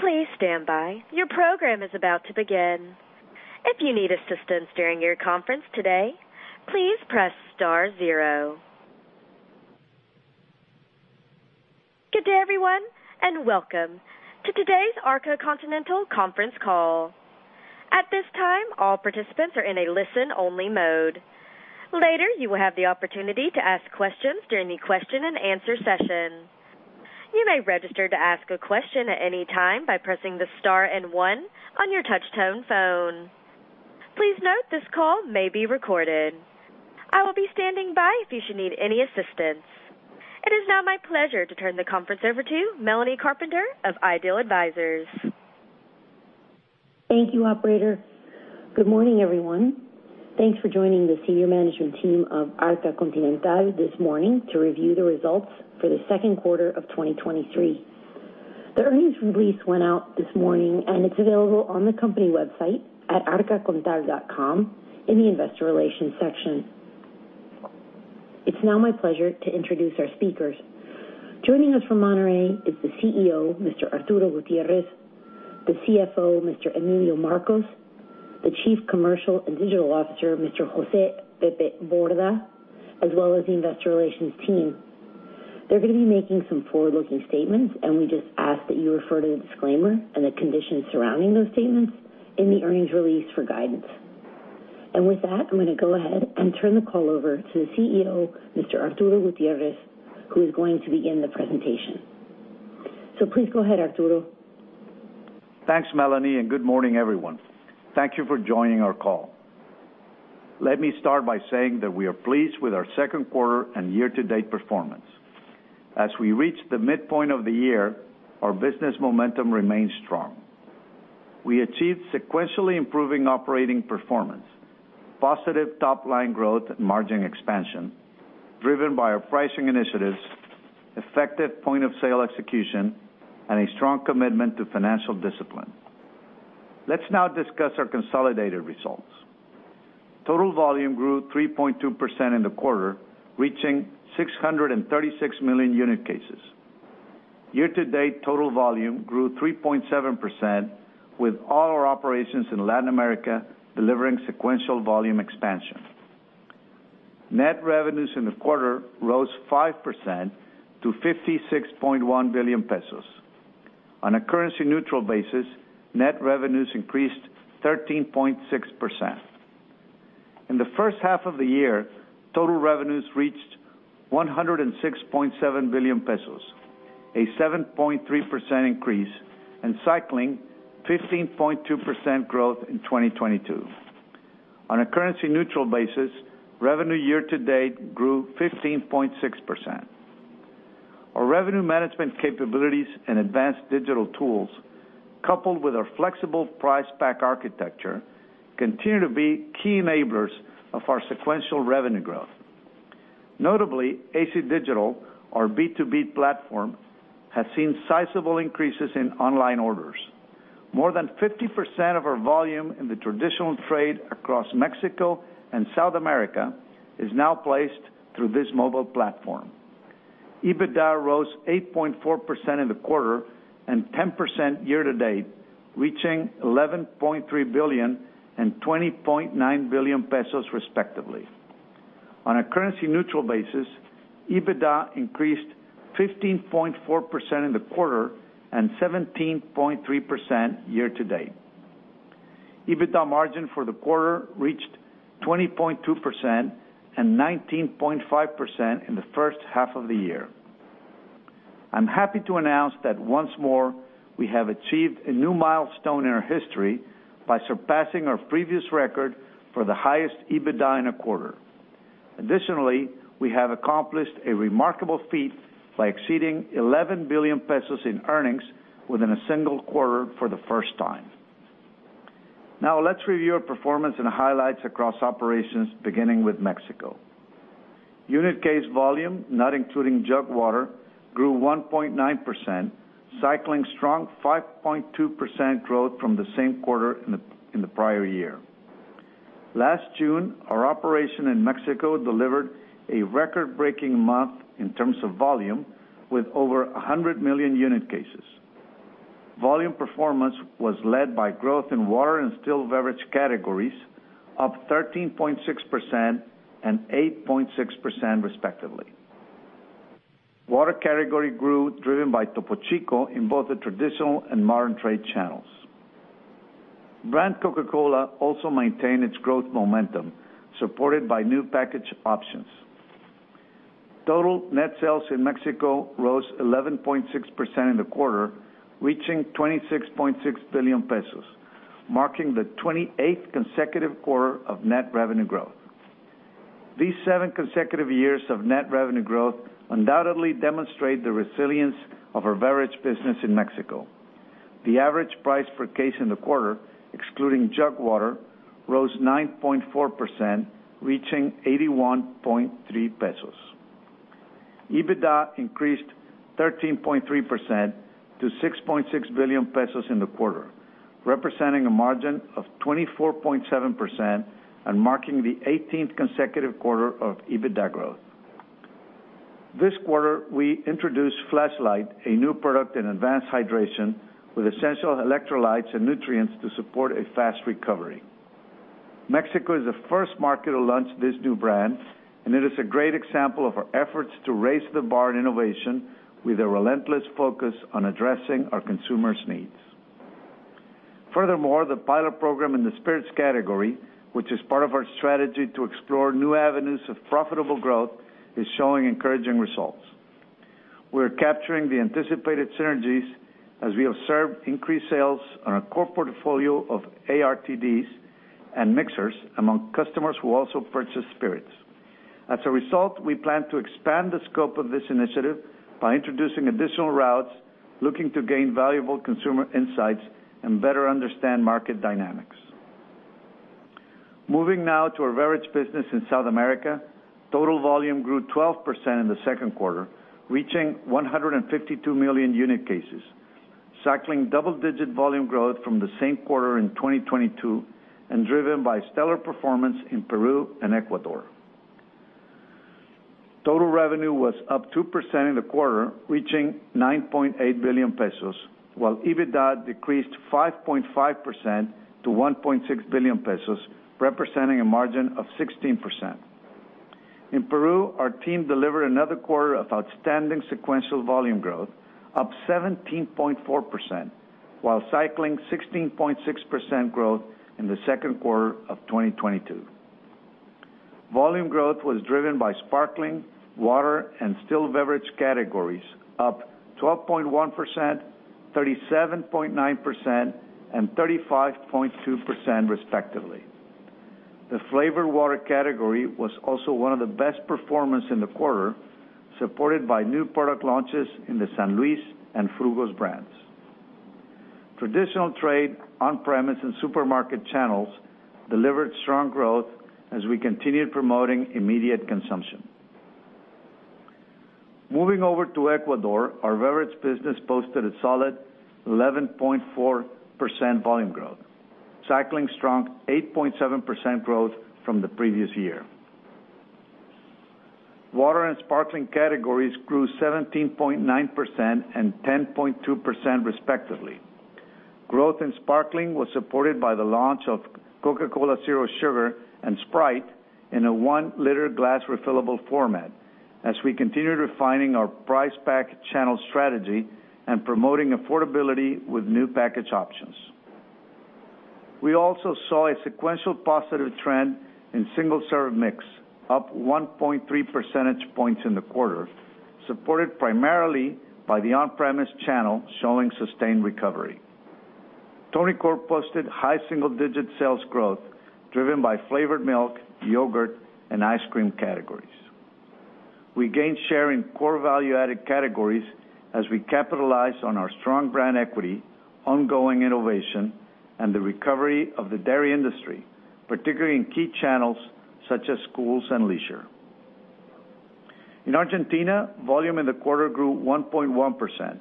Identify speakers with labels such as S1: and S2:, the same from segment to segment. S1: Please stand by. Your program is about to begin. If you need assistance during your conference today, please press star zero. Good day, everyone, welcome to today's Arca Continental conference call. At this time, all participants are in a listen-only mode. Later, you will have the opportunity to ask questions during the question-and-answer session. You may register to ask a question at any time by pressing the star and one on your touchtone phone. Please note, this call may be recorded. I will be standing by if you should need any assistance. It is now my pleasure to turn the conference over to Melanie Carpenter of IDEAL Advisors.
S2: Thank you, operator. Good morning, everyone. Thanks for joining the senior management team of Arca Continental this morning to review the results for the second quarter of 2023. The earnings release went out this morning, and it's available on the company website at arcacontal.com in the investor relations section. It's now my pleasure to introduce our speakers. Joining us from Monterrey is the CEO, Mr. Arturo Gutiérrez, the CFO, Mr. Emilio Marcos, the Chief Commercial and Digital Officer, Mr. José "Pepe" Borda, as well as the investor relations team. They're gonna be making some forward-looking statements, and we just ask that you refer to the disclaimer and the conditions surrounding those statements in the earnings release for guidance. With that, I'm gonna go ahead and turn the call over to the CEO, Mr. Arturo Gutiérrez, who is going to begin the presentation. Please go ahead, Arturo.
S3: Thanks, Melanie. Good morning, everyone. Thank you for joining our call. Let me start by saying that we are pleased with our second quarter and year-to-date performance. As we reach the midpoint of the year, our business momentum remains strong. We achieved sequentially improving operating performance, positive top-line growth and margin expansion, driven by our pricing initiatives, effective point-of-sale execution, and a strong commitment to financial discipline. Let's now discuss our consolidated results. Total volume grew 3.2% in the quarter, reaching 636 million unit cases. Year-to-date, total volume grew 3.7%, with all our operations in Latin America delivering sequential volume expansion. Net revenues in the quarter rose 5% to 56.1 billion pesos. On a currency-neutral basis, net revenues increased 13.6%. In the first half of the year, total revenues reached 106.7 billion pesos, a 7.3% increase, cycling 15.2% growth in 2022. On a currency-neutral basis, revenue year-to-date grew 15.6%. Our revenue management capabilities and advanced digital tools, coupled with our flexible price pack architecture, continue to be key enablers of our sequential revenue growth. Notably, AC Digital, our B2B platform, has seen sizable increases in online orders. More than 50% of our volume in the traditional trade across Mexico and South America is now placed through this mobile platform. EBITDA rose 8.4% in the quarter and 10% year-to-date, reaching 11.3 billion and 20.9 billion pesos, respectively. On a currency-neutral basis, EBITDA increased 15.4% in the quarter and 17.3% year-to-date. EBITDA margin for the quarter reached 20.2% and 19.5% in the first half of the year. I'm happy to announce that once more, we have achieved a new milestone in our history by surpassing our previous record for the highest EBITDA in a quarter. Additionally, we have accomplished a remarkable feat by exceeding 11 billion pesos in earnings within a single quarter for the first time. Now, let's review our performance and highlights across operations, beginning with Mexico. Unit case volume, not including jug water, grew 1.9%, cycling strong 5.2% growth from the same quarter in the prior year. Last June, our operation in Mexico delivered a record-breaking month in terms of volume, with over 100 million unit cases. Volume performance was led by growth in water and still beverage categories, up 13.6% and 8.6%, respectively. Water category grew, driven by Topo Chico, in both the traditional and modern trade channels. Brand Coca-Cola also maintained its growth momentum, supported by new package options. Total net sales in Mexico rose 11.6% in the quarter, reaching 26.6 billion pesos, marking the 28th consecutive quarter of net revenue growth. These seven consecutive years of net revenue growth undoubtedly demonstrate the resilience of our beverage business in Mexico. The average price per case in the quarter, excluding jug water, rose 9.4%, reaching MXN 81.3. EBITDA increased 13.3% to 6.6 billion pesos in the quarter, representing a margin of 24.7% and marking the 18th consecutive quarter of EBITDA growth. This quarter, we introduced Flashlyte, a new product in advanced hydration, with essential electrolytes and nutrients to support a fast recovery. Mexico is the first market to launch this new brand, and it is a great example of our efforts to raise the bar in innovation with a relentless focus on addressing our consumers' needs. Furthermore, the pilot program in the spirits category, which is part of our strategy to explore new avenues of profitable growth, is showing encouraging results. We're capturing the anticipated synergies as we observe increased sales on our core portfolio of ARTDs and mixers among customers who also purchase spirits. As a result, we plan to expand the scope of this initiative by introducing additional routes, looking to gain valuable consumer insights, and better understand market dynamics. Moving now to our beverage business in South America. Total volume grew 12% in the second quarter, reaching 152 million unit cases, cycling double-digit volume growth from the same quarter in 2022, and driven by stellar performance in Peru and Ecuador. Total revenue was up 2% in the quarter, reaching 9.8 billion pesos, while EBITDA decreased 5.5% to 1.6 billion pesos, representing a margin of 16%. In Peru, our team delivered another quarter of outstanding sequential volume growth, up 17.4%, while cycling 16.6% growth in the second quarter of 2022. Volume growth was driven by sparkling, water, and still beverage categories, up 12.1%, 37.9%, and 35.2%, respectively. The flavored water category was also one of the best performers in the quarter, supported by new product launches in the San Luis and Frugos brands. Traditional trade, on-premise, and supermarket channels delivered strong growth as we continued promoting immediate consumption. Moving over to Ecuador, our beverages business posted a solid 11.4% volume growth, cycling strong 8.7% growth from the previous year. Water and sparkling categories grew 17.9% and 10.2%, respectively. Growth in sparkling was supported by the launch of Coca-Cola Zero Sugar and Sprite in a one-liter glass refillable format, as we continued refining our price pack channel strategy and promoting affordability with new package options. We also saw a sequential positive trend in single-serve mix, up 1.3 percentage points in the quarter, supported primarily by the on-premise channel, showing sustained recovery. Tonicorp posted high single-digit sales growth, driven by flavored milk, yogurt, and ice cream categories. We gained share in core value-added categories as we capitalized on our strong brand equity, ongoing innovation, and the recovery of the dairy industry, particularly in key channels such as schools and leisure. In Argentina, volume in the quarter grew 1.1%.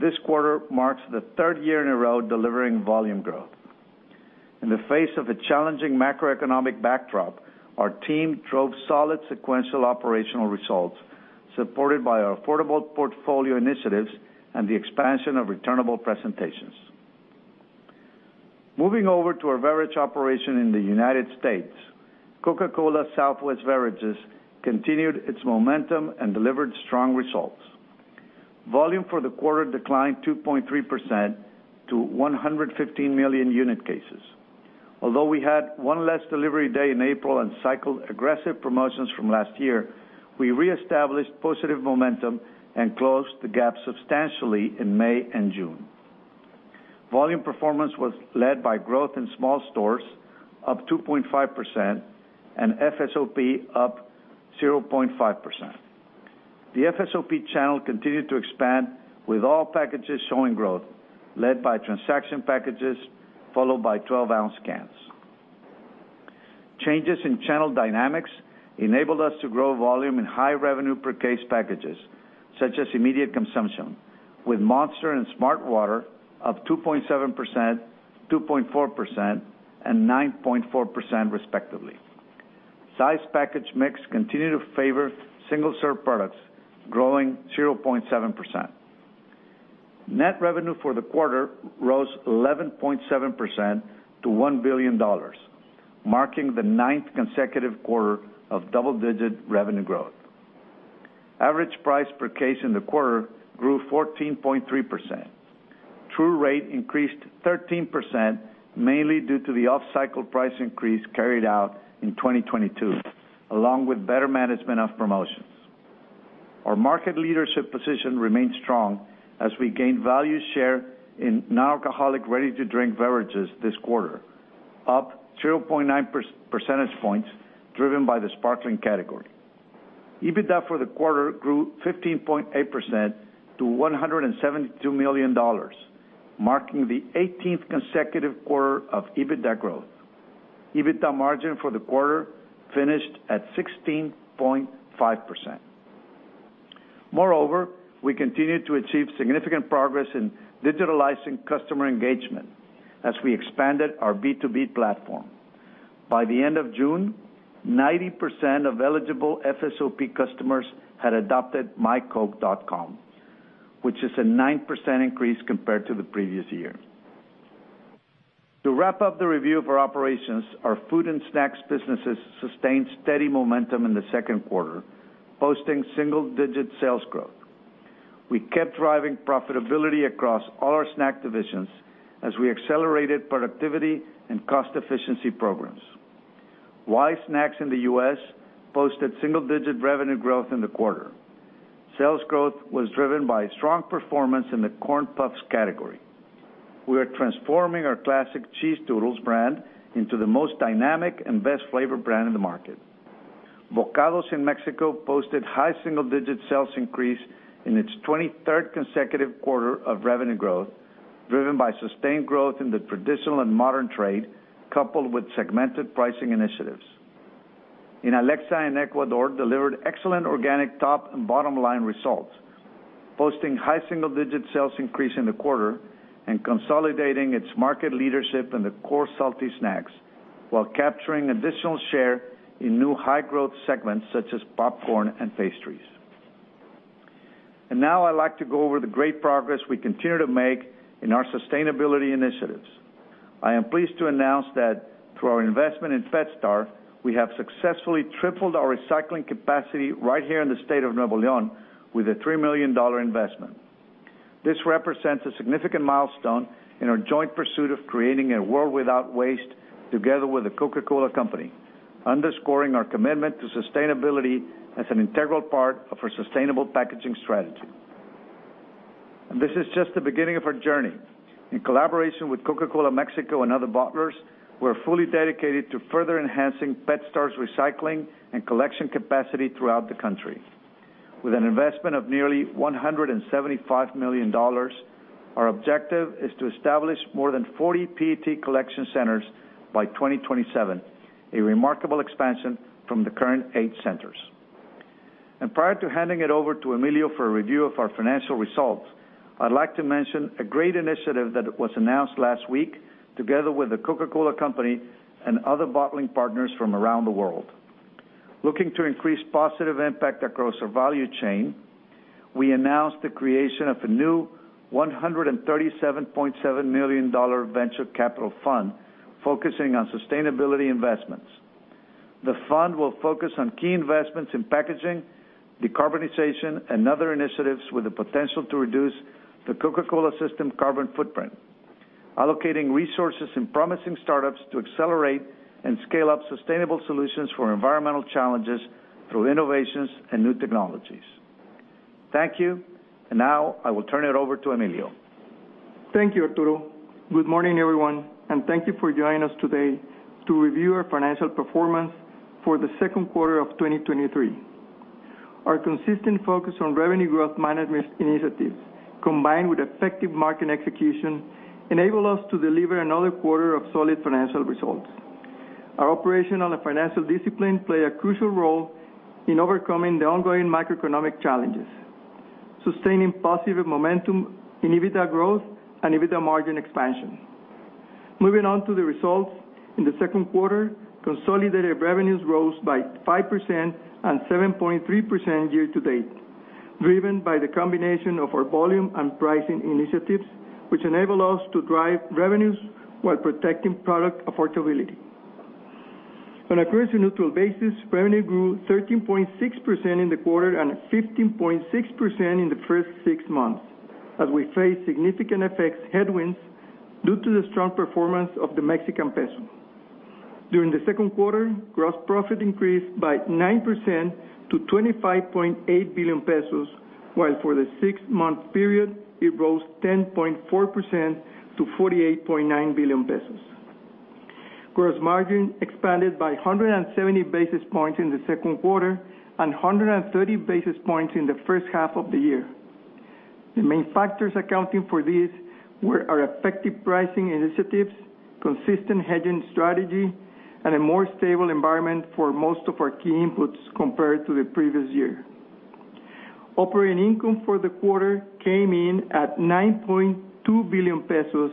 S3: This quarter marks the third year in a row delivering volume growth. In the face of a challenging macroeconomic backdrop, our team drove solid sequential operational results, supported by our affordable portfolio initiatives and the expansion of returnable presentations. Moving over to our beverage operation in the United States, Coca-Cola Southwest Beverages continued its momentum and delivered strong results. Volume for the quarter declined 2.3% to 115 million unit cases. Although we had one less delivery day in April and cycled aggressive promotions from last year, we reestablished positive momentum and closed the gap substantially in May and June. Volume performance was led by growth in small stores, up 2.5%, and FSOP up 0.5%. The FSOP channel continued to expand with all packages showing growth, led by transaction packages, followed by 12-ounce cans. Changes in channel dynamics enabled us to grow volume in high revenue per case packages, such as immediate consumption, with Monster and smartwater up 2.7%, 2.4%, and 9.4%, respectively. Size package mix continued to favor single-serve products, growing 0.7%. Net revenue for the quarter rose 11.7% to $1 billion, marking the ninth consecutive quarter of double-digit revenue growth. Average price per case in the quarter grew 14.3%. True rate increased 13%, mainly due to the off-cycle price increase carried out in 2022, along with better management of promotions. Our market leadership position remains strong as we gained value share in non-alcoholic, ready-to-drink beverages this quarter, up 0.9 percentage points, driven by the sparkling category. EBITDA for the quarter grew 15.8% to $172 million, marking the 18th consecutive quarter of EBITDA growth. EBITDA margin for the quarter finished at 16.5%. We continued to achieve significant progress in digitalizing customer engagement as we expanded our B2B platform. By the end of June, 90% of eligible FSOP customers had adopted mycoke.com, which is a 9% increase compared to the previous year. To wrap up the review of our operations, our food and snacks businesses sustained steady momentum in the second quarter, posting single-digit sales growth. We kept driving profitability across all our snack divisions as we accelerated productivity and cost efficiency programs. Wise Snacks in the U.S. posted single-digit revenue growth in the quarter. Sales growth was driven by strong performance in the corn puffs category. We are transforming our classic Cheez Doodles brand into the most dynamic and best flavor brand in the market. Bokados in Mexico posted high single-digit sales increase in its 23rd consecutive quarter of revenue growth, driven by sustained growth in the traditional and modern trade, coupled with segmented pricing initiatives. Inalecsa in Ecuador delivered excellent organic top and bottom-line results, posting high single-digit sales increase in the quarter and consolidating its market leadership in the core salty snacks, while capturing additional share in new high-growth segments, such as popcorn and pastries. Now I'd like to go over the great progress we continue to make in our sustainability initiatives. I am pleased to announce that through our investment in PetStar, we have successfully tripled our recycling capacity right here in the state of Nuevo León with a $3 million investment. This represents a significant milestone in our joint pursuit of creating a world without waste, together with The Coca-Cola Company, underscoring our commitment to sustainability as an integral part of our sustainable packaging strategy. This is just the beginning of our journey. In collaboration with Coca-Cola Mexico and other bottlers, we're fully-dedicated to further enhancing PetStar's recycling and collection capacity throughout the country. With an investment of nearly $175 million, our objective is to establish more than 40 PET collection centers by 2027, a remarkable expansion from the current eight centers. Prior to handing it over to Emilio for a review of our financial results, I'd like to mention a great initiative that was announced last week together with The Coca-Cola Company and other bottling partners from around the world. Looking to increase positive impact across our value chain, we announced the creation of a new $137.7 million venture capital fund focusing on sustainability investments. The fund will focus on key investments in packaging, decarbonization, and other initiatives with the potential to reduce the Coca-Cola system carbon footprint, allocating resources in promising startups to accelerate and scale up sustainable solutions for environmental challenges through innovations and new technologies. Thank you. Now I will turn it over to Emilio.
S4: Thank you, Arturo. Good morning, everyone, thank you for joining us today to review our financial performance for the second quarter of 2023. Our consistent focus on revenue growth management initiatives, combined with effective market execution, enabled us to deliver another quarter of solid financial results. Our operational and financial discipline play a crucial role in overcoming the ongoing macroeconomic challenges, sustaining positive momentum in EBITDA growth and EBITDA margin expansion. Moving on to the results, in the second quarter, consolidated revenues rose by 5% and 7.3% year-to-date, driven by the combination of our volume and pricing initiatives, which enable us to drive revenues while protecting product affordability. On a currency-neutral basis, revenue grew 13.6% in the quarter and 15.6% in the first six months, as we faced significant FX headwinds due to the strong performance of the Mexican peso. During the second quarter, gross profit increased by 9% to 25.8 billion pesos, while for the six-month period, it rose 10.4% to 48.9 billion pesos. Gross margin expanded by 170 basis points in the second quarter and 130 basis points in the first half of the year. The main factors accounting for this were our effective pricing initiatives, consistent hedging strategy, and a more stable environment for most of our key inputs compared to the previous year. Operating income for the quarter came in at 9.2 billion pesos,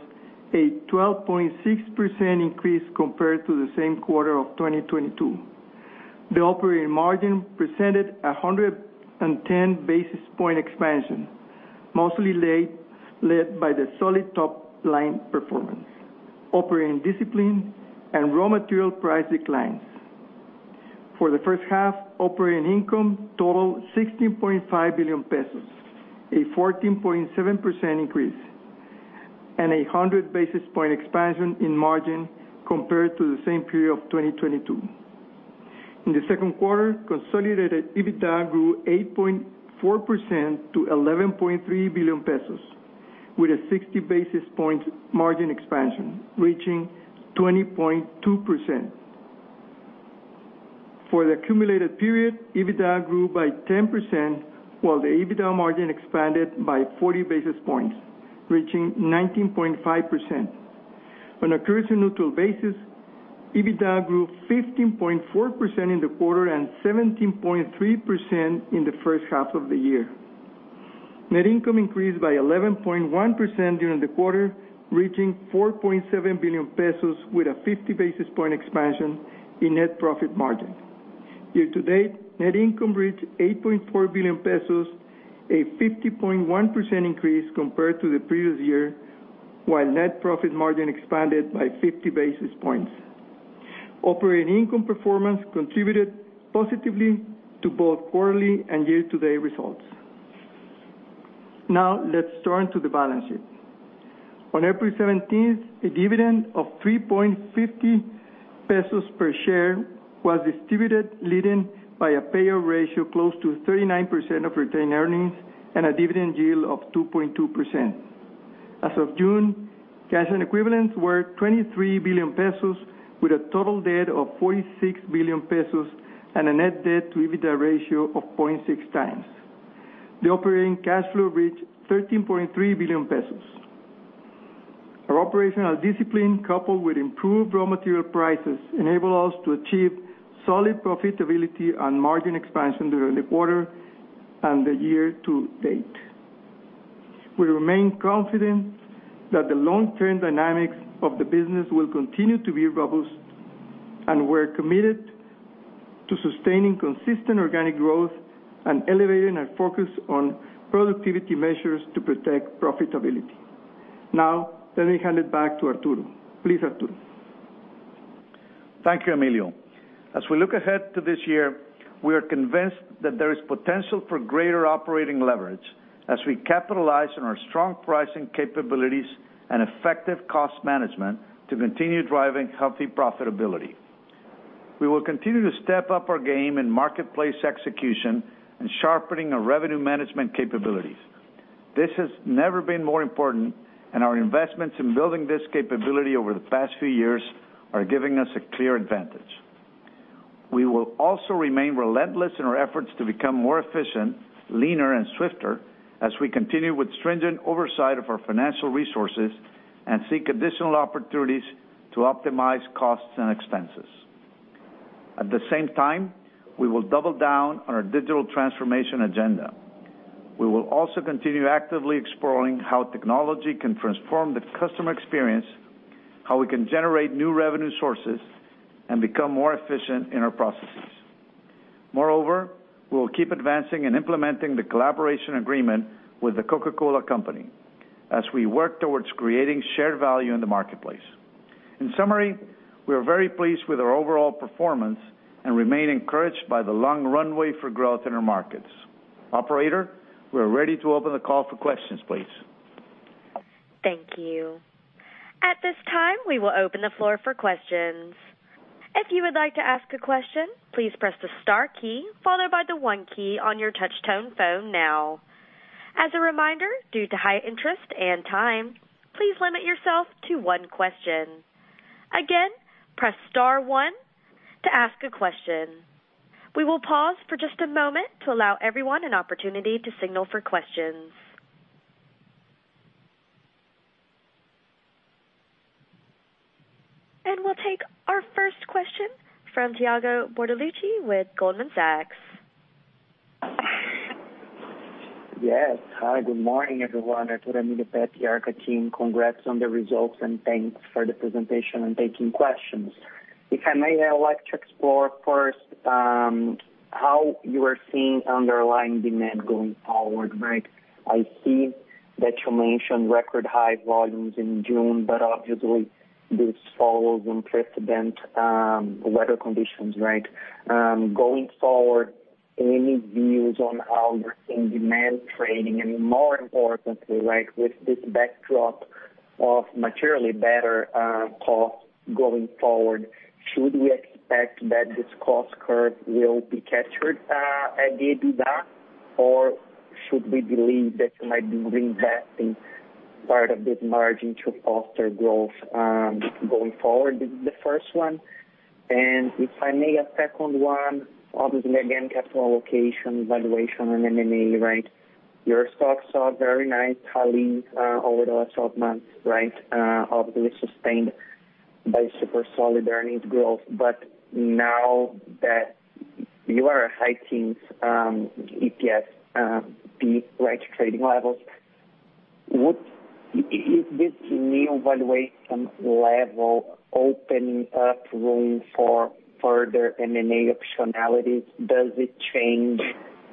S4: a 12.6% increase compared to the same quarter of 2022. The operating margin presented 110 basis point expansion, mostly led by the solid top-line performance, operating discipline, and raw material price declines. For the first half, operating income totaled 16.5 billion pesos, a 14.7% increase and a 100 basis point expansion in margin compared to the same period of 2022. In the second quarter, consolidated EBITDA grew 8.4% to 11.3 billion pesos, with a 60 basis points margin expansion, reaching 20.2%. For the accumulated period, EBITDA grew by 10%, while the EBITDA margin expanded by 40 basis points, reaching 19.5%. On a currency-neutral basis, EBITDA grew 15.4% in the quarter and 17.3% in the first half of the year. Net income increased by 11.1% during the quarter, reaching 4.7 billion pesos, with a 50 basis point expansion in net profit margin. Year-to-date, net income reached 8.4 billion pesos, a 50.1% increase compared to the previous year, while net profit margin expanded by 50 basis points. Operating income performance contributed positively to both quarterly and year-to-date results. Let's turn to the balance sheet. On April 17th, a dividend of 3.50 pesos per share was distributed, leading by a payout ratio close to 39% of retained earnings and a dividend yield of 2.2%. As of June, cash and equivalents were 23 billion pesos, with a total debt of 46 billion pesos and a net debt to EBITDA ratio of 0.6x. The operating cash flow reached 13.3 billion pesos. Our operational discipline, coupled with improved raw material prices, enable us to achieve solid profitability and margin expansion during the quarter and the year-to-date. We remain confident that the long-term dynamics of the business will continue to be robust, and we're committed to sustaining consistent organic growth and elevating our focus on productivity measures to protect profitability. Now, let me hand it back to Arturo. Please, Arturo.
S3: Thank you, Emilio. As we look ahead to this year, we are convinced that there is potential for greater operating leverage as we capitalize on our strong pricing capabilities and effective cost management to continue driving healthy profitability. We will continue to step up our game in marketplace execution and sharpening our revenue management capabilities. This has never been more important, and our investments in building this capability over the past few years are giving us a clear advantage. We will also remain relentless in our efforts to become more efficient, leaner and swifter as we continue with stringent oversight of our financial resources and seek additional opportunities to optimize costs and expenses. At the same time, we will double down on our digital transformation agenda. We will also continue actively exploring how technology can transform the customer experience, how we can generate new revenue sources and become more efficient in our processes. Moreover, we will keep advancing and implementing the collaboration agreement with The Coca-Cola Company as we work towards creating shared value in the marketplace. In summary, we are very pleased with our overall performance and remain encouraged by the long runway for growth in our markets. Operator, we are ready to open the call for questions, please.
S1: Thank you. At this time, we will open the floor for questions. If you would like to ask a question, please press the star key followed by the one key on your touchtone phone now. As a reminder, due to high interest and time, please limit yourself to one question. Again, press star one to ask a question. We will pause for just a moment to allow everyone an opportunity to signal for questions. We'll take our first question from Thiago Bortoluci with Goldman Sachs.
S5: Yes. Hi, good morning, everyone. Arturo, Emilio, Pepe, the Arca team. Congrats on the results, and thanks for the presentation and taking questions. If I may, I'd like to explore first, how you are seeing underlying demand going forward, right? I see that you mentioned record high volumes in June, but obviously this follows unprecedented weather conditions, right? Going forward, any views on how you're seeing demand trading, and more importantly, right, with this backdrop of materially better costs going forward, should we expect that this cost curve will be captured at the EBITDA? Or should we believe that you might be reinvesting part of this margin to foster growth going forward? This is the first one. If I may, a second one, obviously, again, capital allocation, valuation and M&A, right? Your stocks are very nice, rallying over the last 12 months, right? Obviously sustained by super solid earnings growth. Now that you are high teens, EPS, peak right trading levels, is this new valuation level opening up room for further M&A optionalities? Does it change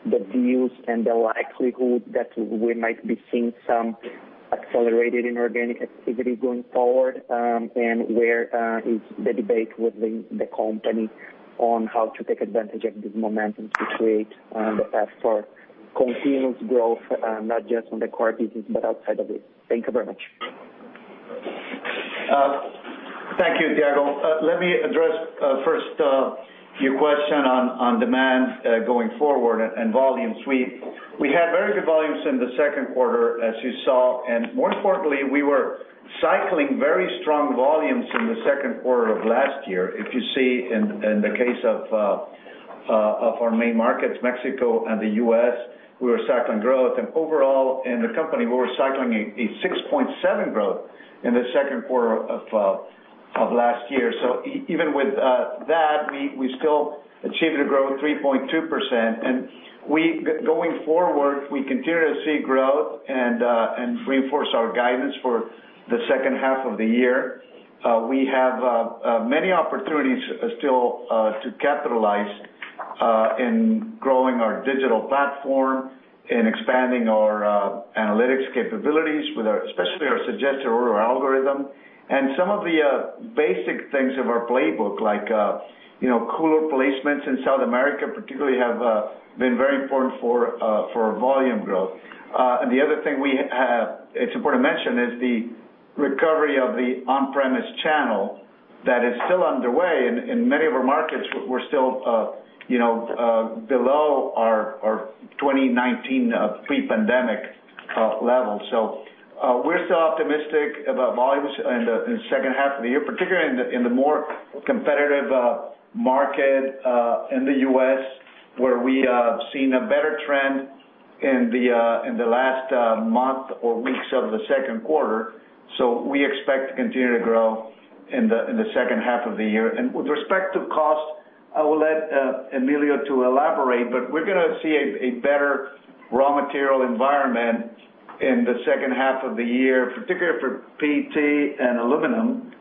S5: the views and the likelihood that we might be seeing some accelerated inorganic activity going forward? Where is the debate within the company on how to take advantage of this momentum to create as for continuous growth, not just on the core business, but outside of it? Thank you very much.
S3: Thank you, Thiago. Let me address, first, your question on demand going forward and volumes. We had very good volumes in the second quarter, as you saw, and more importantly, we were cycling very strong volumes in the second quarter of last year. If you see in the case of our main markets, Mexico and the U.S., we were cycling growth. Overall in the company, we were cycling a 6.7% growth in the second quarter of last year. Even with that, we still achieved a growth of 3.2%. We, going forward, we continue to see growth and reinforce our guidance for the second half of the year. We have many opportunities still to capitalize in growing our digital platform, in expanding our analytics capabilities with our, especially our suggested order algorithm. Some of the basic things of our playbook, like, you know, cooler placements in South America, particularly, have been very important for volume growth. The other thing we, it's important to mention, is the recovery of the on-premise channel that is still underway. In many of our markets, we're still, you know, below our 2019 pre-pandemic level. We're still optimistic about volumes in the second half of the year, particularly in the more competitive market in the U.S., where we have seen a better trend in the last month or weeks of the second quarter. We expect to continue to grow in the second half of the year. With respect to cost, I will let Emilio to elaborate, but we're gonna see a better raw material environment in the second half of the year, particularly for PET and aluminum.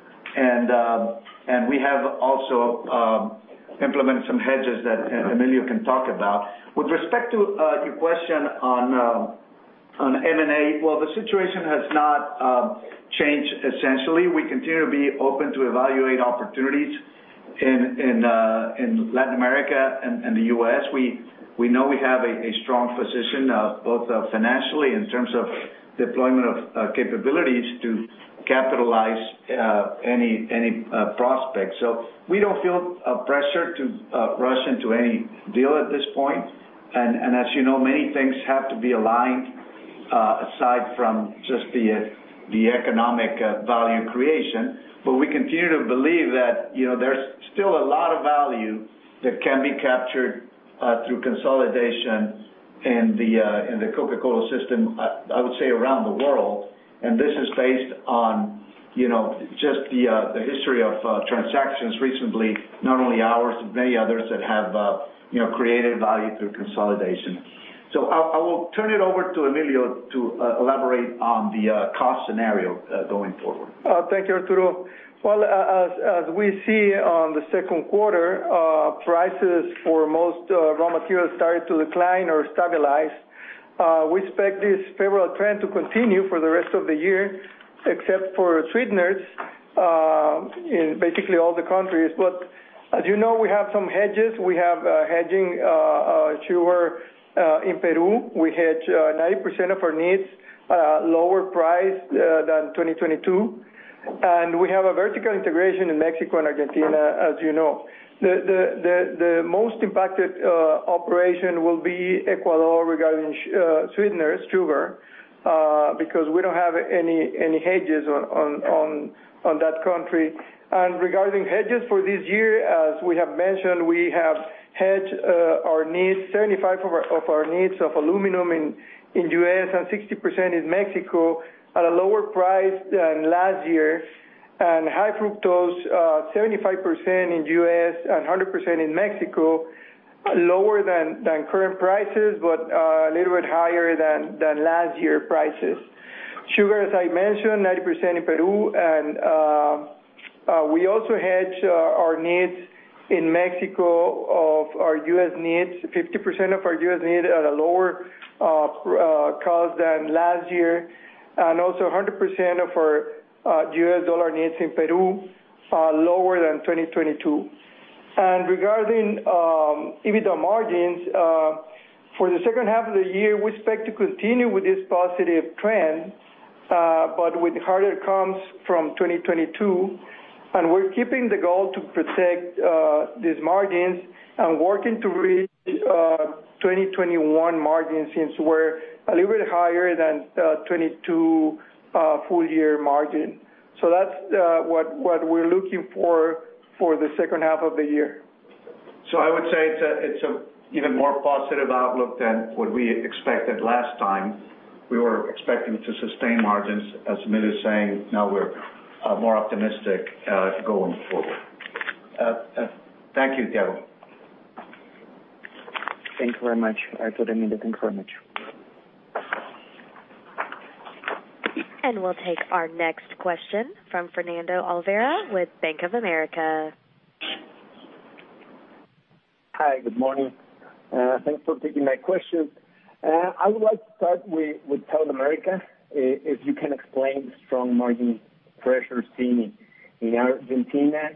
S3: We have also implemented some hedges that Emilio can talk about. With respect to your question on M&A, well, the situation has not changed essentially. We continue to be open to evaluate opportunities in Latin America and the U.S. We know we have a strong position, both financially in terms of deployment of capabilities to capitalize any prospects. We don't feel a pressure to rush into any deal at this point. As you know, many things have to be aligned, aside from just the economic value creation. We continue to believe that, you know, there's still a lot of value that can be captured through consolidation in the Coca-Cola system, I would say, around the world, and this is based on, you know, just the history of transactions recently, not only ours, but many others that have, you know, created value through consolidation. I will turn it over to Emilio to elaborate on the cost scenario going forward.
S4: Thank you, Arturo. As we see on the second quarter, prices for most raw materials started to decline or stabilize. We expect this favorable trend to continue for the rest of the year, except for sweeteners, in basically all the countries. As you know, we have some hedges. We have hedging sugar in Peru. We hedge 90% of our needs, lower price than 2022, and we have a vertical integration in Mexico and Argentina, as you know. The most impacted operation will be Ecuador, regarding sweeteners, sugar, because we don't have any hedges on that country. Regarding hedges for this year, as we have mentioned, we have hedged our needs, 75% of our needs of aluminum in U.S., and 60% in Mexico, at a lower price than last year. High fructose, 75% in U.S. and 100% in Mexico, lower than current prices, but a little bit higher than last-year prices. Sugar, as I mentioned, 90% in Peru. We also hedge our needs in Mexico of our U.S. needs, 50% of our U.S. need at a lower cost than last year, and also 100% of our U.S. dollar needs in Peru, lower than 2022. Regarding EBITDA margins for the second half of the year, we expect to continue with this positive trend, but with harder comes from 2022, and we're keeping the goal to protect these margins and working to reach 2021 margins, since we're a little bit higher than 2022 full year margin. That's what we're looking for for the second half of the year.
S3: I would say it's a even more positive outlook than what we expected last time. We were expecting to sustain margins, as Emilio is saying, now we're more optimistic going forward. Thank you, Thiago.
S5: Thank you very much, Arturo and Emilio. Thank you very much.
S1: We'll take our next question from Fernando Olvera with Bank of America.
S6: Hi, good morning. Thanks for taking my question. I would like to start with South America, if you can explain the strong margin pressure seen in Argentina.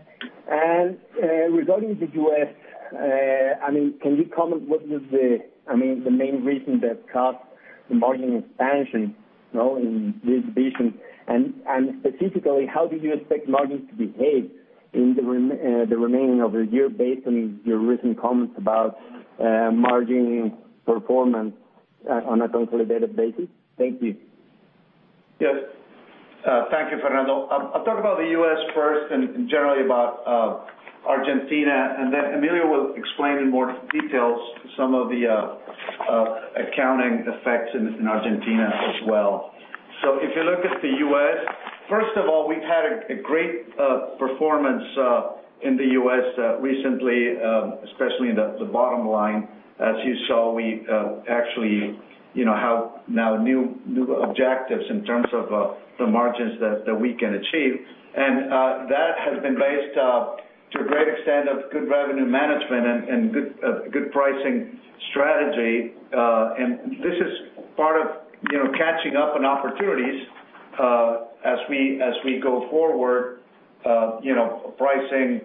S6: Regarding the U.S., I mean, can you comment what is the, I mean, the main reason that caused the margin expansion, you know, in this region? Specifically, how do you expect margins to behave in the remaining of the year based on your recent comments about margin performance on a consolidated basis? Thank you.
S3: Yes. Thank you, Fernando. I'll talk about the U.S. first and generally about Argentina, and then Emilio will explain in more details some of the accounting effects in Argentina as well. If you look at the U.S., first of all, we've had a great performance in the U.S. recently, especially in the bottom line. As you saw, we actually, you know, have now new objectives in terms of the margins that we can achieve. That has been based to a great extent of good revenue management and good pricing strategy. This is part of, you know, catching up on opportunities as we go forward. You know, pricing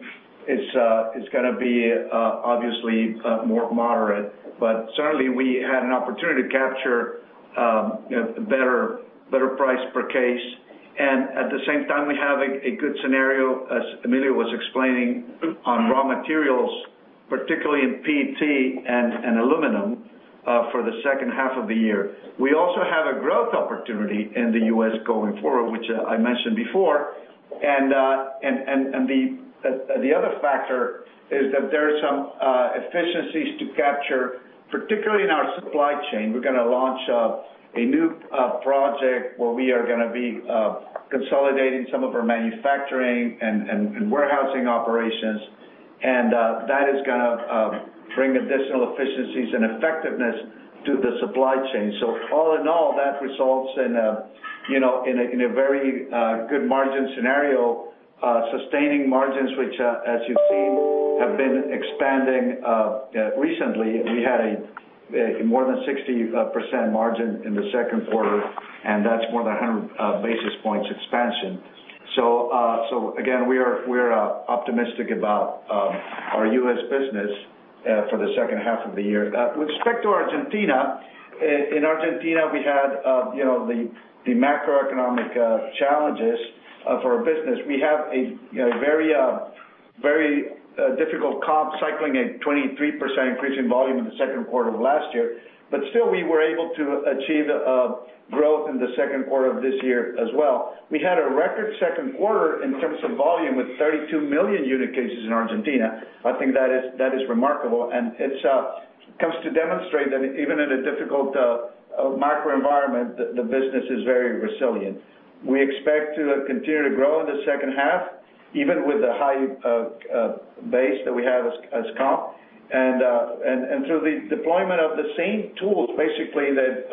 S3: is gonna be obviously more moderate. Certainly, we had an opportunity to capture, you know, a better price per case. At the same time, we have a good scenario, as Emilio was explaining, on raw materials, particularly in PET and aluminum for the second half of the year. We also have a growth opportunity in the U.S. going forward, which I mentioned before. The other factor is that there are some efficiencies to capture, particularly in our supply chain. We're gonna launch a new project where we are gonna be consolidating some of our manufacturing and warehousing operations, and that is gonna bring additional efficiencies and effectiveness to the supply chain. All in all, that results in a, you know, in a very good margin scenario, sustaining margins, which as you've seen, have been expanding recently. We had a more than 60% margin in the second quarter, and that's more than 100 basis points expansion. Again, we are optimistic about our U.S. business for the second half of the year. With respect to Argentina, in Argentina, we had, you know, the macroeconomic challenges for our business. We have a very difficult comp cycling a 23% increase in volume in the second quarter of last year. Still, we were able to achieve growth in the second quarter of this year as well. We had a record second quarter in terms of volume, with 32 million unit cases in Argentina. I think that is remarkable, and it comes to demonstrate that even in a difficult macro environment, the business is very resilient. We expect to continue to grow in the second half, even with the high base that we have as comp. The deployment of the same tools, basically, that,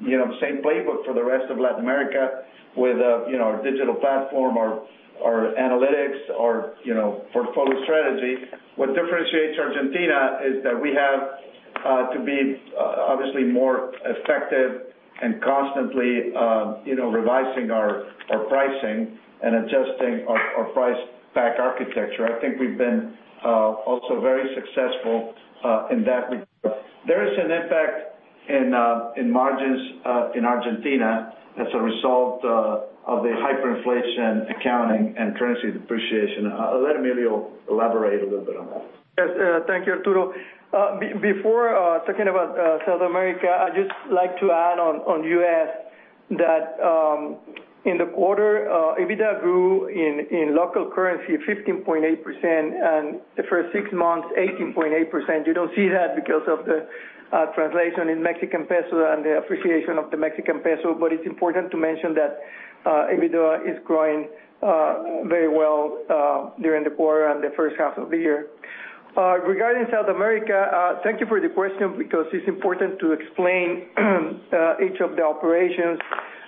S3: you know, same playbook for the rest of Latin America with, you know, our digital platform, our analytics, our, you know, portfolio strategy. What differentiates Argentina is that we have to be obviously more effective and constantly, you know, revising our pricing and adjusting our price pack architecture. I think we've been also very successful in that regard. There is an impact in in margins in Argentina as a result of the hyperinflation accounting and currency depreciation. I'll let Emilio elaborate a little bit on that.
S4: Yes, thank you, Arturo. Before talking about South America, I'd just like to add on U.S., that in the quarter, EBITDA grew in local currency, 15.8%, and the first six months, 18.8%. You don't see that because of the translation in Mexican peso and the appreciation of the Mexican peso, but it's important to mention that EBITDA is growing very well during the quarter and the first half of the year. Regarding South America, thank you for the question because it's important to explain each of the operations.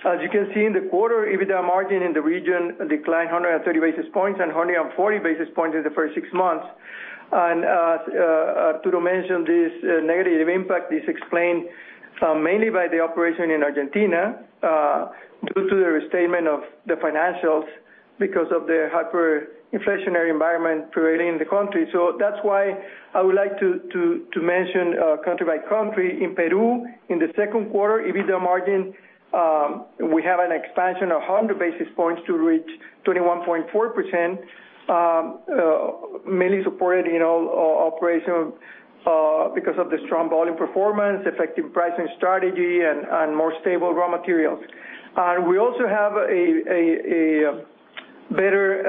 S4: As you can see in the quarter, EBITDA margin in the region declined 130 basis points and 140 basis points in the first six months. Arturo mentioned this negative impact is explained mainly by the operation in Argentina due to the restatement of the financials because of the hyperinflationary environment prevailing in the country. That's why I would like to mention country-by-country. In Peru, in the second quarter, EBITDA margin, we have an expansion of 100 basis points to reach 21.4%, mainly supported in all operation because of the strong volume performance, effective pricing strategy, and more stable raw materials. We also have a better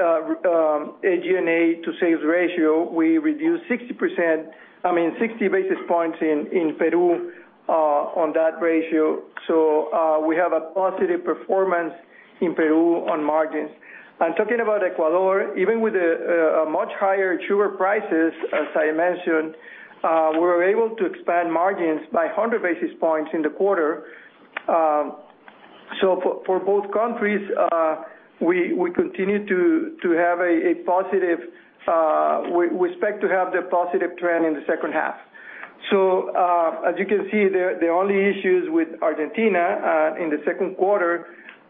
S4: SG&A to sales ratio. We reduced 60 basis points in Peru on that ratio. We have a positive performance in Peru on margins. Talking about Ecuador, even with a much higher sugar prices, as I mentioned, we were able to expand margins by 100 basis points in the quarter. For both countries, we continue to have a positive. We expect to have the positive trend in the second half. As you can see, the only issues with Argentina, in the second quarter,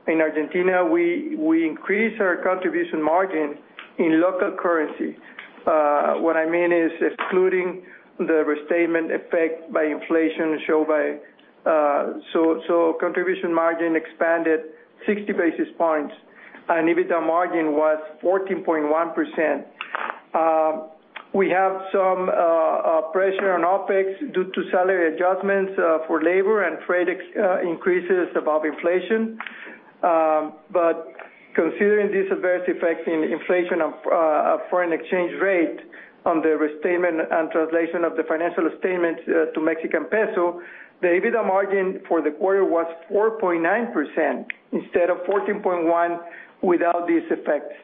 S4: in Argentina, we increased our contribution margin in local currency. What I mean is excluding the restatement effect by inflation shown by, so contribution margin expanded 60 basis points, and EBITDA margin was 14.1%. We have some pressure on OpEx due to salary adjustments, for labor and trade increases above inflation. Considering these adverse effects in inflation of foreign exchange rate on the restatement and translation of the financial statements to Mexican peso, the EBITDA margin for the quarter was 4.9% instead of 14.1% without these effects.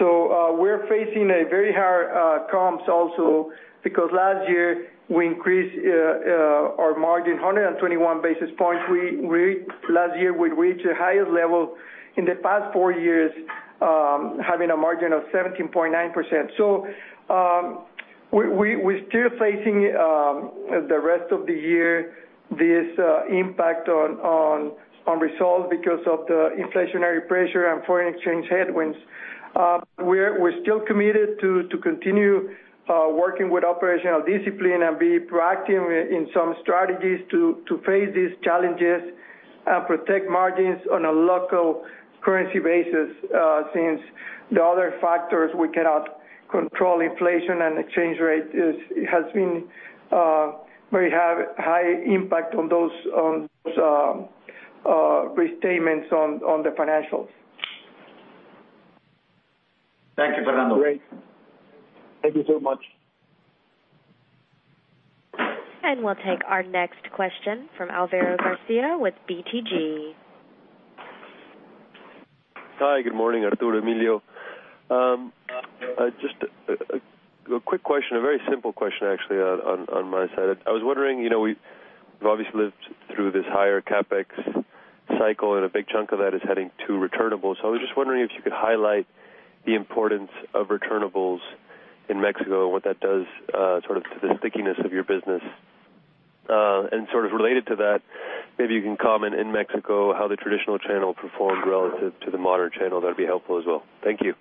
S4: We're facing a very hard comps also, because last year we increased our margin 121 basis points. Last year, we reached the highest level in the past four years, having a margin of 17.9%. We're still facing the rest of the year, this impact on results because of the inflationary pressure and foreign exchange headwinds. We're still committed to continue working with operational discipline and be proactive in some strategies to face these challenges, and protect margins on a local currency basis, since the other factors we cannot control, inflation and exchange rate, has been very high impact on those restatements on the financials.
S3: Thank you, Fernando.
S6: Great. Thank you so much.
S1: We'll take our next question from Alvaro Garcia with BTG.
S7: Hi, good morning, Arturo, Emilio. Just a quick question, a very simple question, actually, on my side. I was wondering, you know, we've obviously lived through this higher CapEx cycle, and a big chunk of that is heading to returnables. I was just wondering if you could highlight the importance of returnables in Mexico, and what that does, sort of, to the stickiness of your business. Sort of related to that, maybe you can comment in Mexico, how the traditional channel performed relative to the modern channel. That'd be helpful as well. Thank you.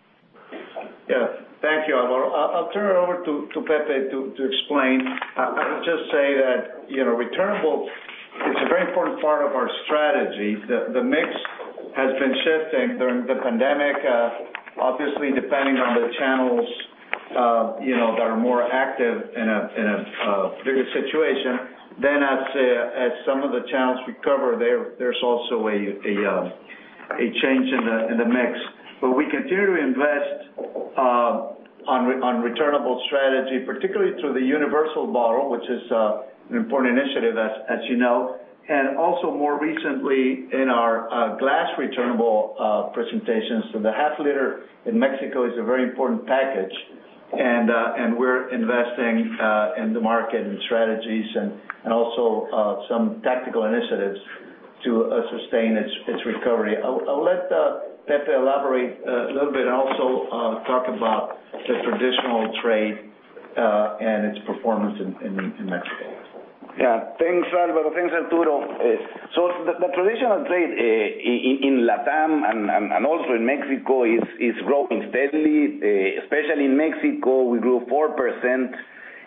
S3: Yeah. Thank you, Alvaro. I'll turn it over to Pepe to explain. I would just say that, you know, returnable is a very important part of our strategy. The mix has been shifting during the pandemic, obviously, depending on the channels, you know, that are more active in a bigger situation. As some of the channels recover, there's also a change in the mix. We continue to invest on returnable strategy, particularly through the Universal Bottle, which is an important initiative, as you know, and also more recently in our glass returnable presentations. The half liter in Mexico is a very important package, and we're investing in the market and strategies and also some tactical initiatives to sustain its recovery. I'll let Pepe elaborate a little bit, and also talk about the traditional trade and its performance in Mexico.
S8: Yeah. Thanks, Alvaro. Thanks, Arturo. The traditional trade in LatAm and also in Mexico, is growing steadily, especially in Mexico. We grew 4%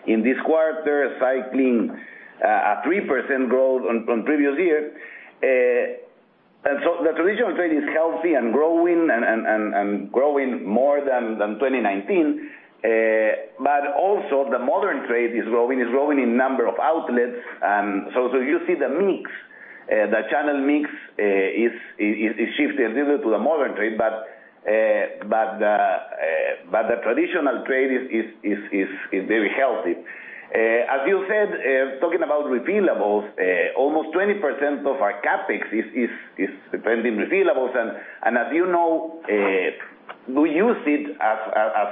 S8: in this quarter, cycling a 3% growth on previous year. The traditional trade is healthy and growing more than 2019. Also the modern trade is growing in number of outlets. You see the mix, the channel mix, is shifting a little to the modern trade, but the traditional trade is very healthy. As you said, talking about refillables, almost 20% of our CapEx is spent in refillables. As you know, we use it as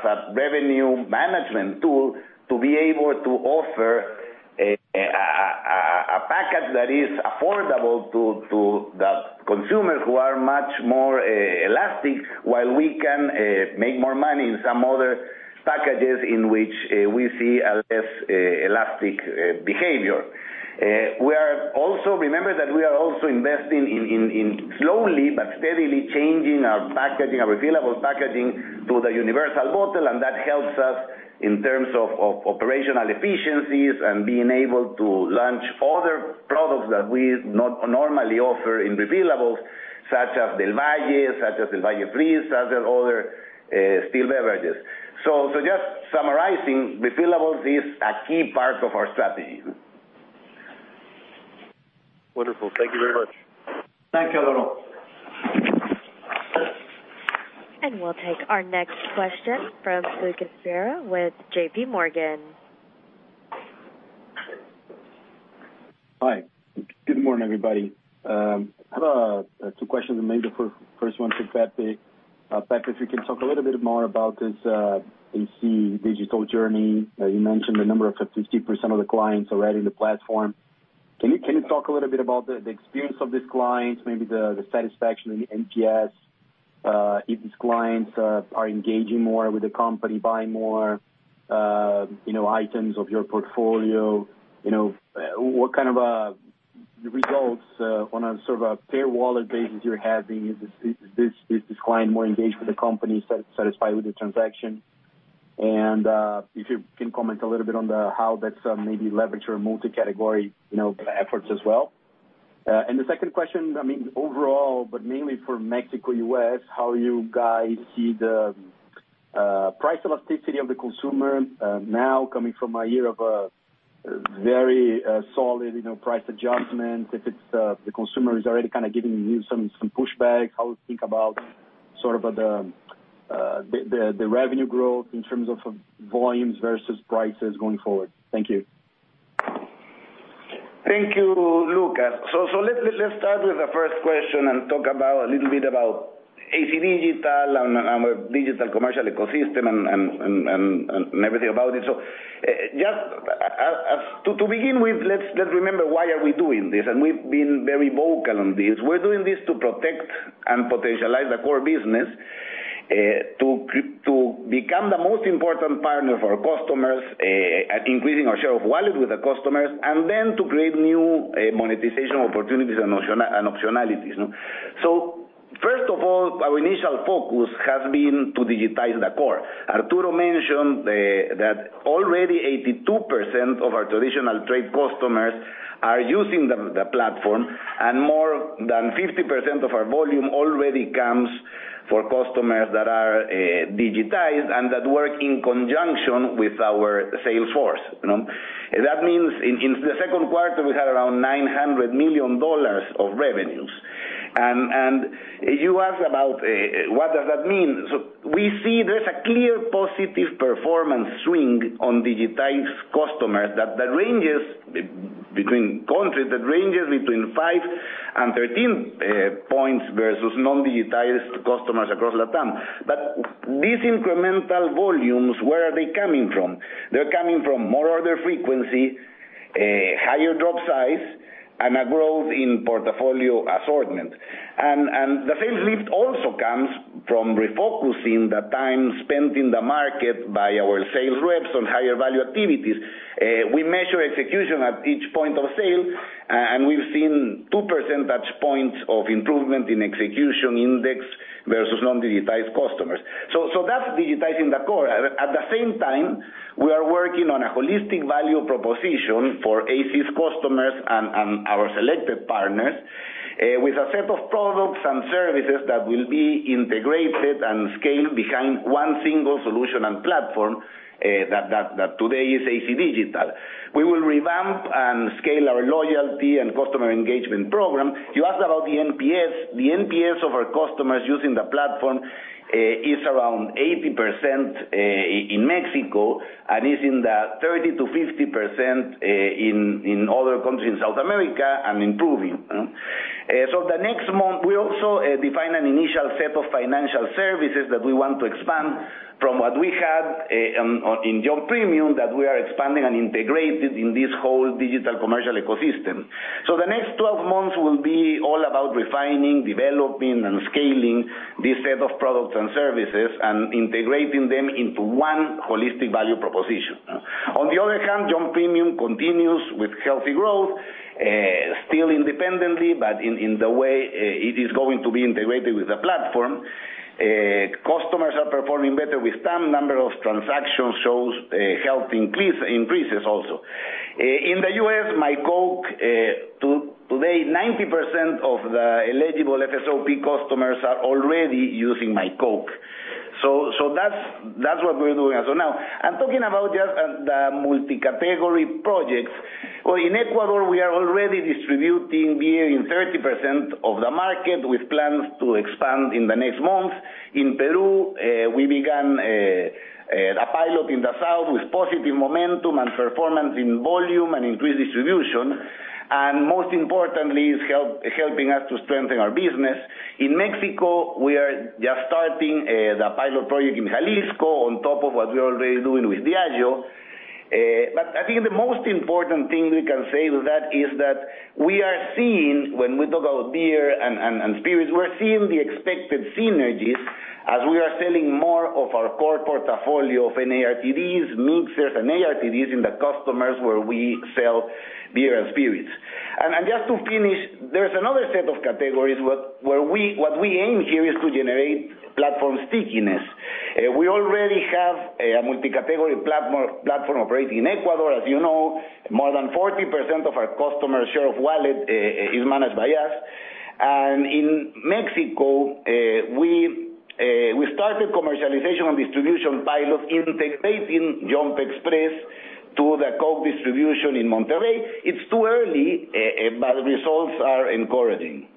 S8: a revenue management tool to be able to offer a package that is affordable to the consumers who are much more elastic, while we can make more money in some other packages in which we see a less elastic behavior. Remember that we are also investing in slowly but steadily changing our packaging, our refillable packaging to the Universal Bottle, and that helps us in terms of operational efficiencies and being able to launch other products that we not normally offer in refillables, such as Del Valle, such as Del Valle Fresh, such as other still beverages. Just summarizing, refillables is a key part of our strategy.
S7: Wonderful. Thank you very much.
S8: Thanks, Alvaro.
S1: We'll take our next question from Lucas Ferreira with JPMorgan.
S9: Hi. Good morning, everybody. I have two questions, and maybe the first one for Pepe. Pepe, if you can talk a little bit more about this AC Digital journey. You mentioned the number of 52% of the clients are already in the platform. Can you talk a little bit about the experience of these clients, maybe the satisfaction in the NPS, if these clients are engaging more with the company, buying more, you know, items of your portfolio? You know, what kind of results on a sort of a pay wallet basis you're having? Is this client more engaged with the company, satisfied with the transaction? If you can comment a little bit on the how that's maybe leveraged your multi-category, you know, efforts as well. The second question, I mean, overall, but mainly for Mexico, U.S., how you guys see the price elasticity of the consumer, now coming from a year of very solid, you know, price adjustment, if it's the consumer is already kind of giving you some pushback, how you think about sort of the revenue growth in terms of volumes versus prices going forward? Thank you.
S8: Thank you, Lucas. Let's start with the first question and talk about a little bit about AC Digital and with digital commercial ecosystem and everything about it. Just to begin with, let's remember why are we doing this, and we've been very vocal on this. We're doing this to protect and potentialize the core business, to become the most important partner for our customers, increasing our share of wallet with the customers, and then to create new monetization opportunities and optionalities, no? First of all, our initial focus has been to digitize the core. Arturo mentioned that already 82% of our traditional trade customers are using the platform, and more than 50% of our volume already comes for customers that are digitized, and that work in conjunction with our sales force, you know? That means in the second quarter, we had around $900 million of revenues. You asked about what does that mean? We see there's a clear positive performance swing on digitized customers, that the ranges between countries, that ranges between five and 13 points versus non-digitized customers across LatAm. These incremental volumes, where are they coming from? They're coming from more order frequency, higher drop size, and a growth in portfolio assortment. The sales lift also comes from refocusing the time spent in the market by our sales reps on higher value activities. We measure execution at each point of sale, and we've seen 2% touch points of improvement in execution index versus non-digitized customers. That's digitizing the core. The same time, we are working on a holistic value proposition for AC's customers and our selected partners, with a set of products and services that will be integrated and scaled behind one single solution and platform, that today is AC Digital. We will revamp and scale our loyalty and customer engagement program. You asked about the NPS. The NPS of our customers using the platform, is around 80% in Mexico, and is in the 30%-50% in other countries in South America, and improving. The next month, we also define an initial set of financial services that we want to expand from what we had in Yomp! Premium, that we are expanding and integrated in this whole digital commercial ecosystem. The next 12 months will be all about refining, developing, and scaling this set of products and services, and integrating them into one holistic value proposition. On the other hand, Yomp! Premium continues with healthy growth, still independently, but in the way it is going to be integrated with the platform. Customers are performing better with some number of transactions, shows health increases also. In the U.S., myCoke, today, 90% of the eligible FSOP customers are already using myCoke. That's what we're doing. Now, I'm talking about just the multi-category projects. In Ecuador, we are already distributing beer in 30% of the market, with plans to expand in the next month. In Peru, we began a pilot in the south with positive momentum and performance in volume and increased distribution, and most importantly, is helping us to strengthen our business. In Mexico, we are just starting the pilot project in Jalisco, on top of what we're already doing with Diageo. I think the most important thing we can say to that, is that we are seeing, when we talk about beer and spirits, we're seeing the expected synergies as we are selling more of our core portfolio of NARTDs, mixers and ARTDs in the customers where we sell beer and spirits. Just to finish, there's another set of categories, what we aim here is to generate platform stickiness. We already have a multi-category platform operating in Ecuador. As you know, more than 40% of our customer share of wallet is managed by us. In Mexico, we started commercialization and distribution pilot, integrating Yomp! Express to the Coke distribution in Monterrey. It's too early, but results are encouraging.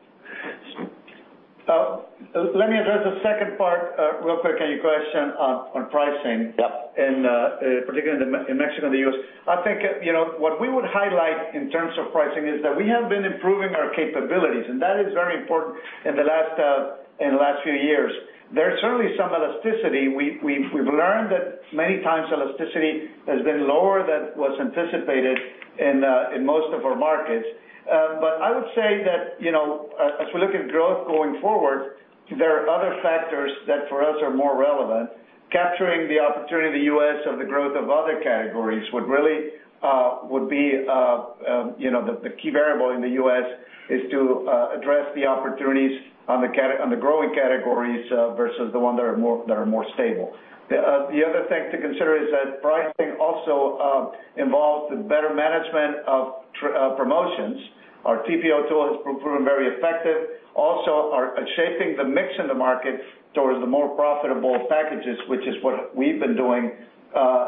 S3: Let me address the second part, real quick, in your question on pricing-
S9: Yeah.
S3: Particularly in Mexico and the U.S.. I think, you know, what we would highlight in terms of pricing is that we have been improving our capabilities, and that is very important in the last few years. There's certainly some elasticity. We've learned that many times, elasticity has been lower than was anticipated in most of our markets. I would say that, you know, as we look at growth going forward, there are other factors that, for us, are more relevant. Capturing the opportunity in the U.S. of the growth of other categories would really be, you know, the key variable in the U.S. is to address the opportunities on the growing categories versus the ones that are more stable. The other thing to consider is that pricing also involves the better management of promotions. Our TPO tool has proven very effective. Also, are shaping the mix in the market towards the more profitable packages, which is what we've been doing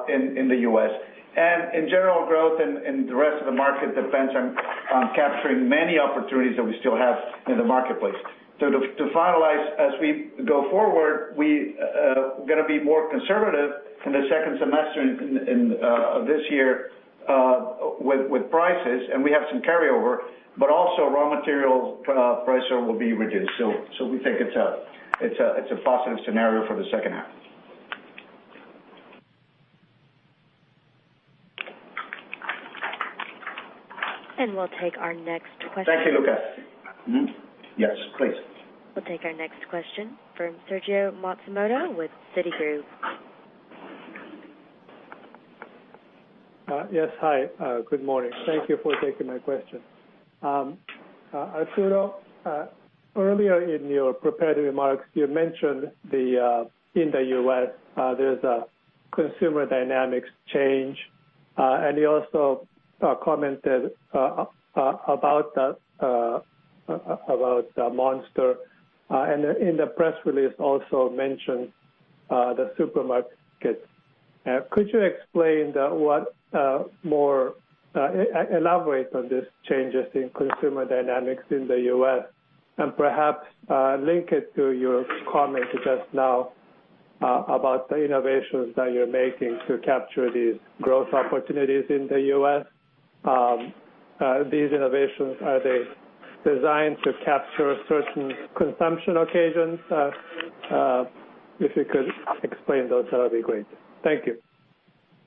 S3: in the U.S.. In general, growth in the rest of the market depends on capturing many opportunities that we still have in the marketplace. To finalize, as we go forward, we gonna be more conservative in the second semester in this year with prices, and we have some carryover, but also raw material price will be reduced. We think it's a positive scenario for the second half.
S1: We'll take our next question.
S8: Thank you, Lucas.
S3: Mm-hmm. Yes, please.
S1: We'll take our next question from Sergio Matsumoto with Citigroup.
S10: Yes, hi, good morning. Thank you for taking my question. Arturo, earlier in your prepared remarks, you mentioned the in the U.S., there's a consumer dynamics change, and you also commented about Monster, and in the press release also mentioned the supermarkets. Could you explain what more elaborate on these changes in consumer dynamics in the U.S., and perhaps link it to your comments just now about the innovations that you're making to capture these growth opportunities in the U.S.? These innovations, are they designed to capture certain consumption occasions? If you could explain those, that would be great. Thank you.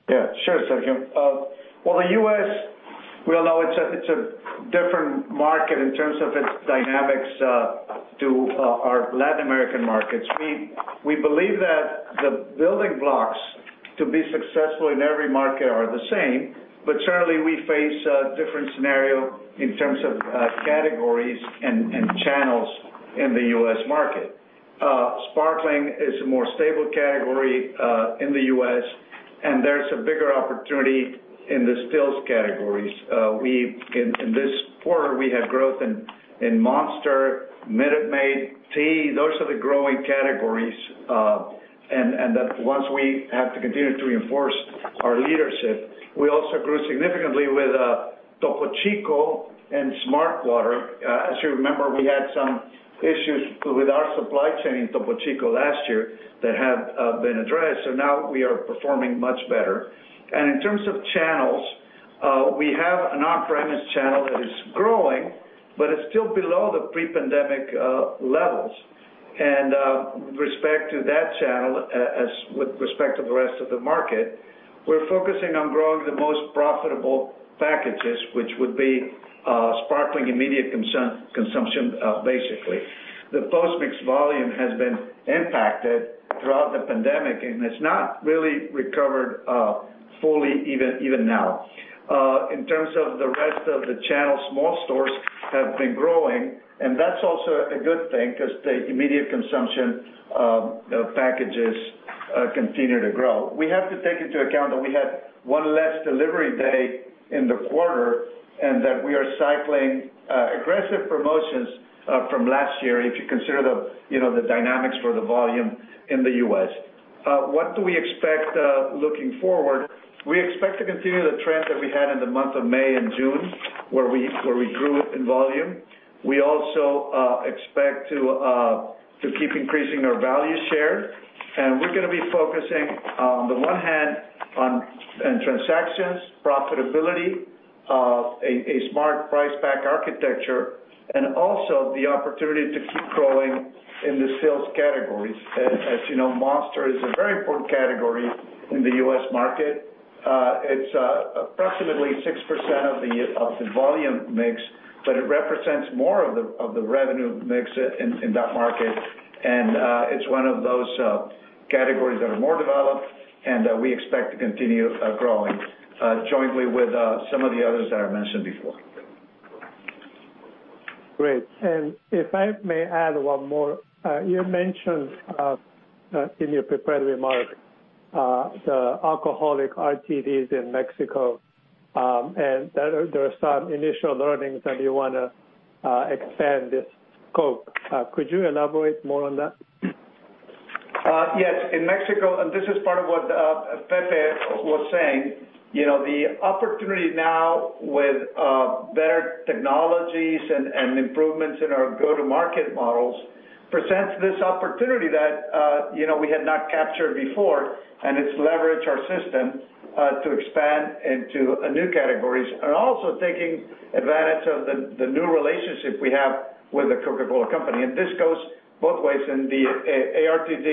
S3: Yeah, sure, Sergio. The U.S., we all know it's a, it's a different market in terms of its dynamics to our Latin American markets. We believe that the building blocks to be successful in every market are the same, but certainly we face a different scenario in terms of categories and channels in the U.S. market. Sparkling is a more stable category in the U.S., and there's a bigger opportunity in the stills categories. In this quarter, we had growth in Monster, Minute Maid, tea, those are the growing categories, and that once we have to continue to reinforce our leadership, we also grew significantly with Topo Chico and smartwater. As you remember, we had some issues with our supply chain in Topo Chico last year that have been addressed. Now we are performing much better. In terms of channels, we have an off-premise channel that is growing, but it's still below the pre-pandemic levels. With respect to that channel, as with respect to the rest of the market, we're focusing on growing the most profitable packages, which would be sparkling, immediate consumption, basically. The post mix volume has been impacted throughout the pandemic, and it's not really recovered fully, even now. In terms of the rest of the channels, small stores have been growing, and that's also a good thing because the immediate consumption of packages continue to grow. We have to take into account that we had one less delivery day in the quarter, and that we are cycling aggressive promotions from last year, if you consider the, you know, the dynamics for the volume in the U.S. What do we expect looking forward? We expect to continue the trend that we had in the month of May and June, where we grew in volume. We also expect to keep increasing our value share, and we're gonna be focusing, on the one hand, on transactions, profitability, a smart price pack architecture, and also the opportunity to keep growing in the sales categories. As you know, Monster is a very important category in the U.S. market. It's approximately 6% of the volume mix, but it represents more of the revenue mix in that market. It's one of those categories that are more developed and we expect to continue growing jointly with some of the others that I mentioned before.
S10: Great. If I may add one more, you mentioned in your prepared remark, the alcoholic ARTDs in Mexico, and that there are some initial learnings, and you wanna expand this scope. Could you elaborate more on that?
S3: Yes, in Mexico, this is part of what Pepe was saying, you know, the opportunity now with better technologies and improvements in our go-to-market models, presents this opportunity that, you know, we had not captured before, and it's leveraged our system to expand into new categories. Also taking advantage of the new relationship we have with The Coca-Cola Company. This goes both ways in the ARTD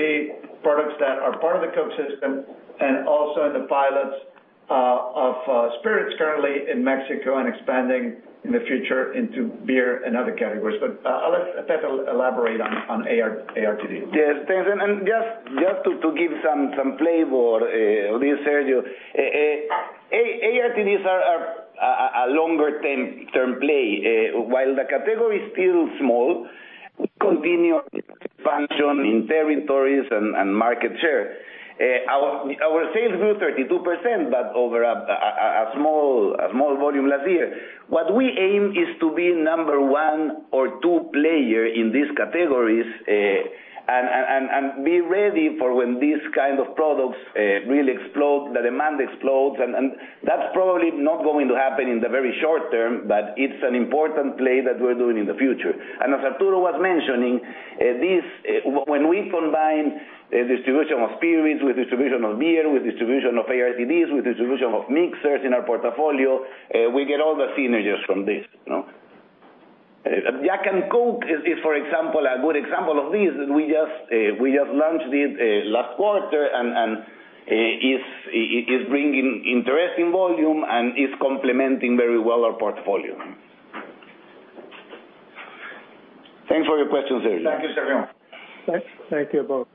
S3: products that are part of the Coke system and also in the pilots of spirits currently in Mexico and expanding in the future into beer and other categories. I'll let Pepe elaborate on ARTD.
S8: Yes, thanks. And just to give some flavor, Sergio, ARTDs are-... a longer term play. While the category is still small, we continue expansion in territories and market share. Our sales grew 32%, but over a small volume last year. What we aim is to be number one or two player in these categories, and be ready for when these kind of products really explode, the demand explodes, and that's probably not going to happen in the very short term, but it's an important play that we're doing in the future. As Arturo was mentioning, this when we combine the distribution of spirits, with distribution of beer, with distribution of ARTDs, with distribution of mixers in our portfolio, we get all the synergies from this, you know? Jack and Coke is, for example, a good example of this. We just launched it last quarter, and it is bringing interesting volume and is complementing very well our portfolio. Thanks for your question, Sergio.
S3: Thank you, Sergio.
S10: Thank you both.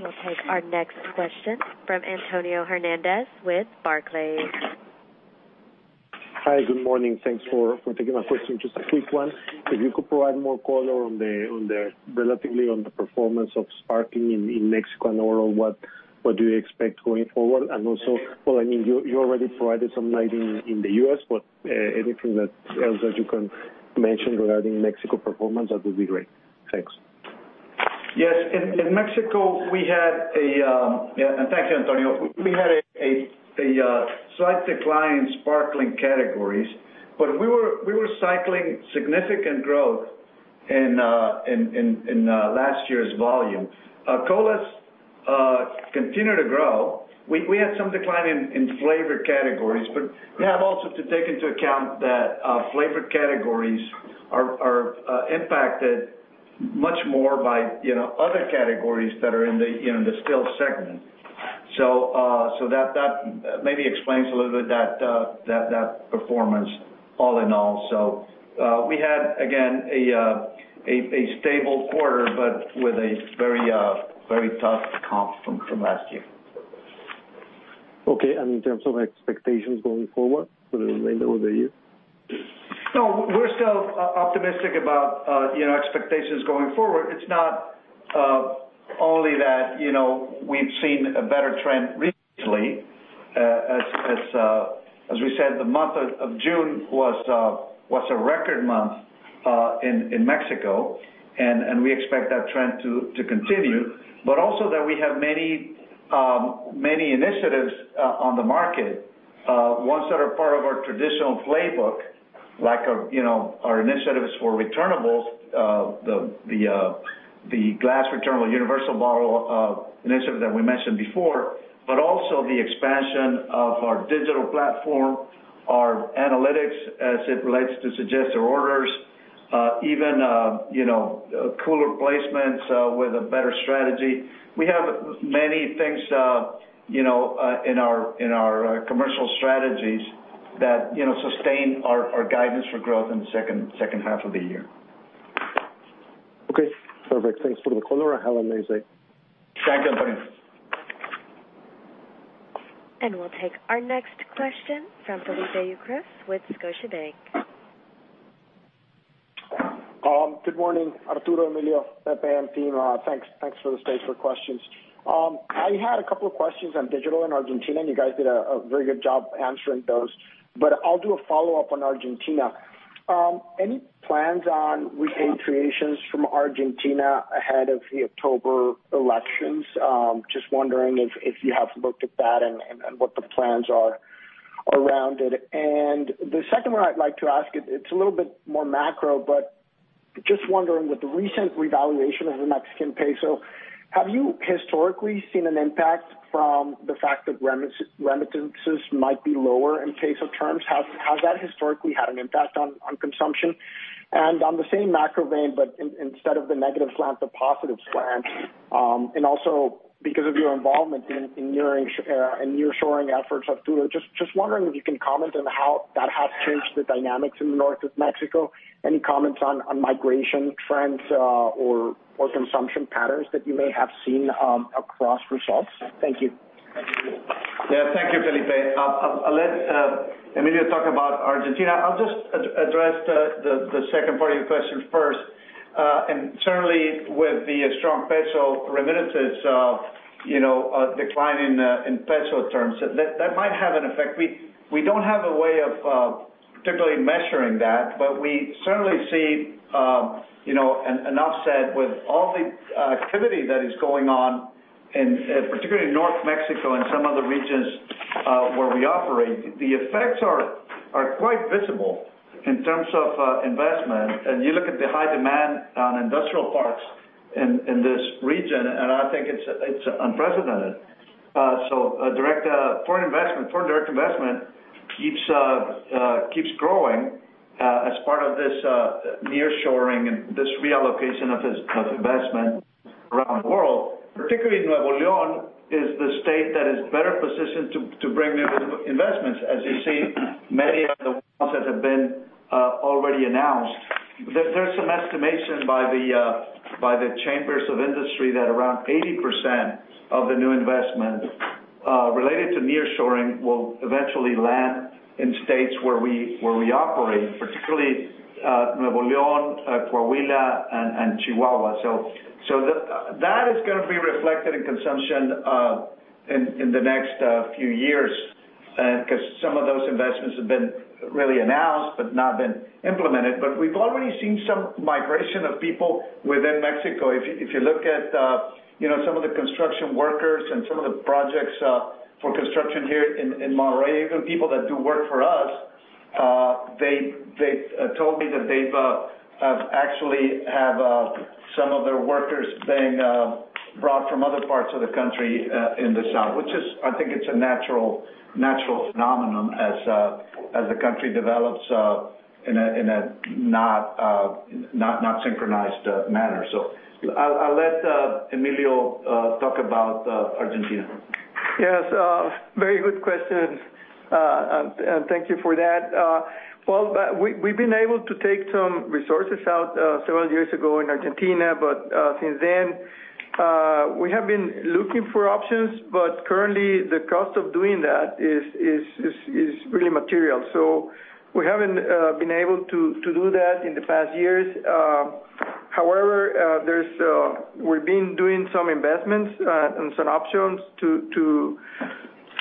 S1: We'll take our next question from Antonio Hernández with Barclays.
S11: Hi, good morning. Thanks for taking my question. Just a quick one. If you could provide more color on the relatively on the performance of sparkling in Mexico and overall, what do you expect going forward? Also, well, I mean, you already provided some light in the U.S., but anything else that you can mention regarding Mexico performance, that would be great. Thanks.
S3: Yes, in Mexico. Thank you, Antonio. We had a slight decline in sparkling categories, but we were cycling significant growth in last year's volume. Colas continue to grow. We had some decline in flavored categories, but we have also to take into account that flavored categories are impacted much more by, you know, other categories that are in the, you know, Distilled segment. That maybe explains a little bit that performance all in all. We had, again, a stable quarter, but with a very tough comp from last year.
S11: Okay, in terms of expectations going forward for the remainder of the year?
S3: No, we're still optimistic about, you know, expectations going forward. It's not only that, you know, we've seen a better trend recently, as we said, the month of June was a record-month in Mexico, and we expect that trend to continue. But also that we have many initiatives on the market, ones that are part of our traditional playbook, like, you know, our initiatives for returnables, the glass returnable Universal Bottle initiative that we mentioned before. But also the expansion of our digital platform, our analytics as it relates to suggested orders, even, you know, cooler placements with a better strategy. We have many things, you know, in our commercial strategies that, you know, sustain our guidance for growth in the second half of the year.
S11: Okay, perfect. Thanks for the color. Have an amazing day.
S3: Thank you, Antonio.
S1: We'll take our next question from Felipe Ucros with Scotiabank.
S12: Good morning, Arturo, Emilio, Pepe, and team. Thanks for the space for questions. I had a couple of questions on digital in Argentina. You guys did a very good job answering those, but I'll do a follow-up on Argentina. Any plans on retail creations from Argentina ahead of the October elections? Just wondering if you have looked at that and what the plans are around it. The second one I'd like to ask, it's a little bit more macro, but just wondering, with the recent revaluation of the Mexican peso, have you historically seen an impact from the fact that remittances might be lower in peso terms? Has that historically had an impact on consumption? On the same macro vein, but instead of the negative slant, the positive slant, and also because of your involvement in nearshoring efforts, Arturo, just wondering if you can comment on how that has changed the dynamics in the north of Mexico. Any comments on migration trends, or consumption patterns that you may have seen across results? Thank you.
S3: Thank you, Felipe. I'll let Emilio talk about Argentina. I'll just address the second part of your question first. And certainly with the strong peso remittances, you know, decline in peso terms, that might have an effect. We don't have a way of particularly measuring that, but we certainly see, you know, an offset with all the activity that is going on in particularly in North Mexico and some other regions where we operate. The effects are quite visible in terms of investment. You look at the high demand on industrial parks in this region, and I think it's unprecedented. Foreign direct investment keeps growing as part of this nearshoring and this reallocation of investment around the world. Particularly, Nuevo León is the state that is better positioned to bring new investments. As you see, many of the ones that have been already announced. There's some estimation by the chambers of industry that around 80% of the new investment related to nearshoring will eventually land in states where we operate, particularly Nuevo León, Coahuila, and Chihuahua. That is going to be reflected in consumption in the next few years because some of those investments have been really announced, but not been implemented. But we've already seen some migration of people within Mexico. If you look at, you know, some of the construction workers and some of the projects for construction here in Monterrey, even people that do work for us, they told me that they've actually have some of their workers being brought from other parts of the country in the south, which is, I think it's a natural phenomenon as the country develops in a not synchronized manner. I'll let Emilio talk about Argentina.
S4: Yes, very good questions. Thank you for that. Well, we've been able to take some resources out several years ago in Argentina, but since then, we have been looking for options, but currently the cost of doing that is really material. We haven't been able to do that in the past years. However, there's, we've been doing some investments and some options to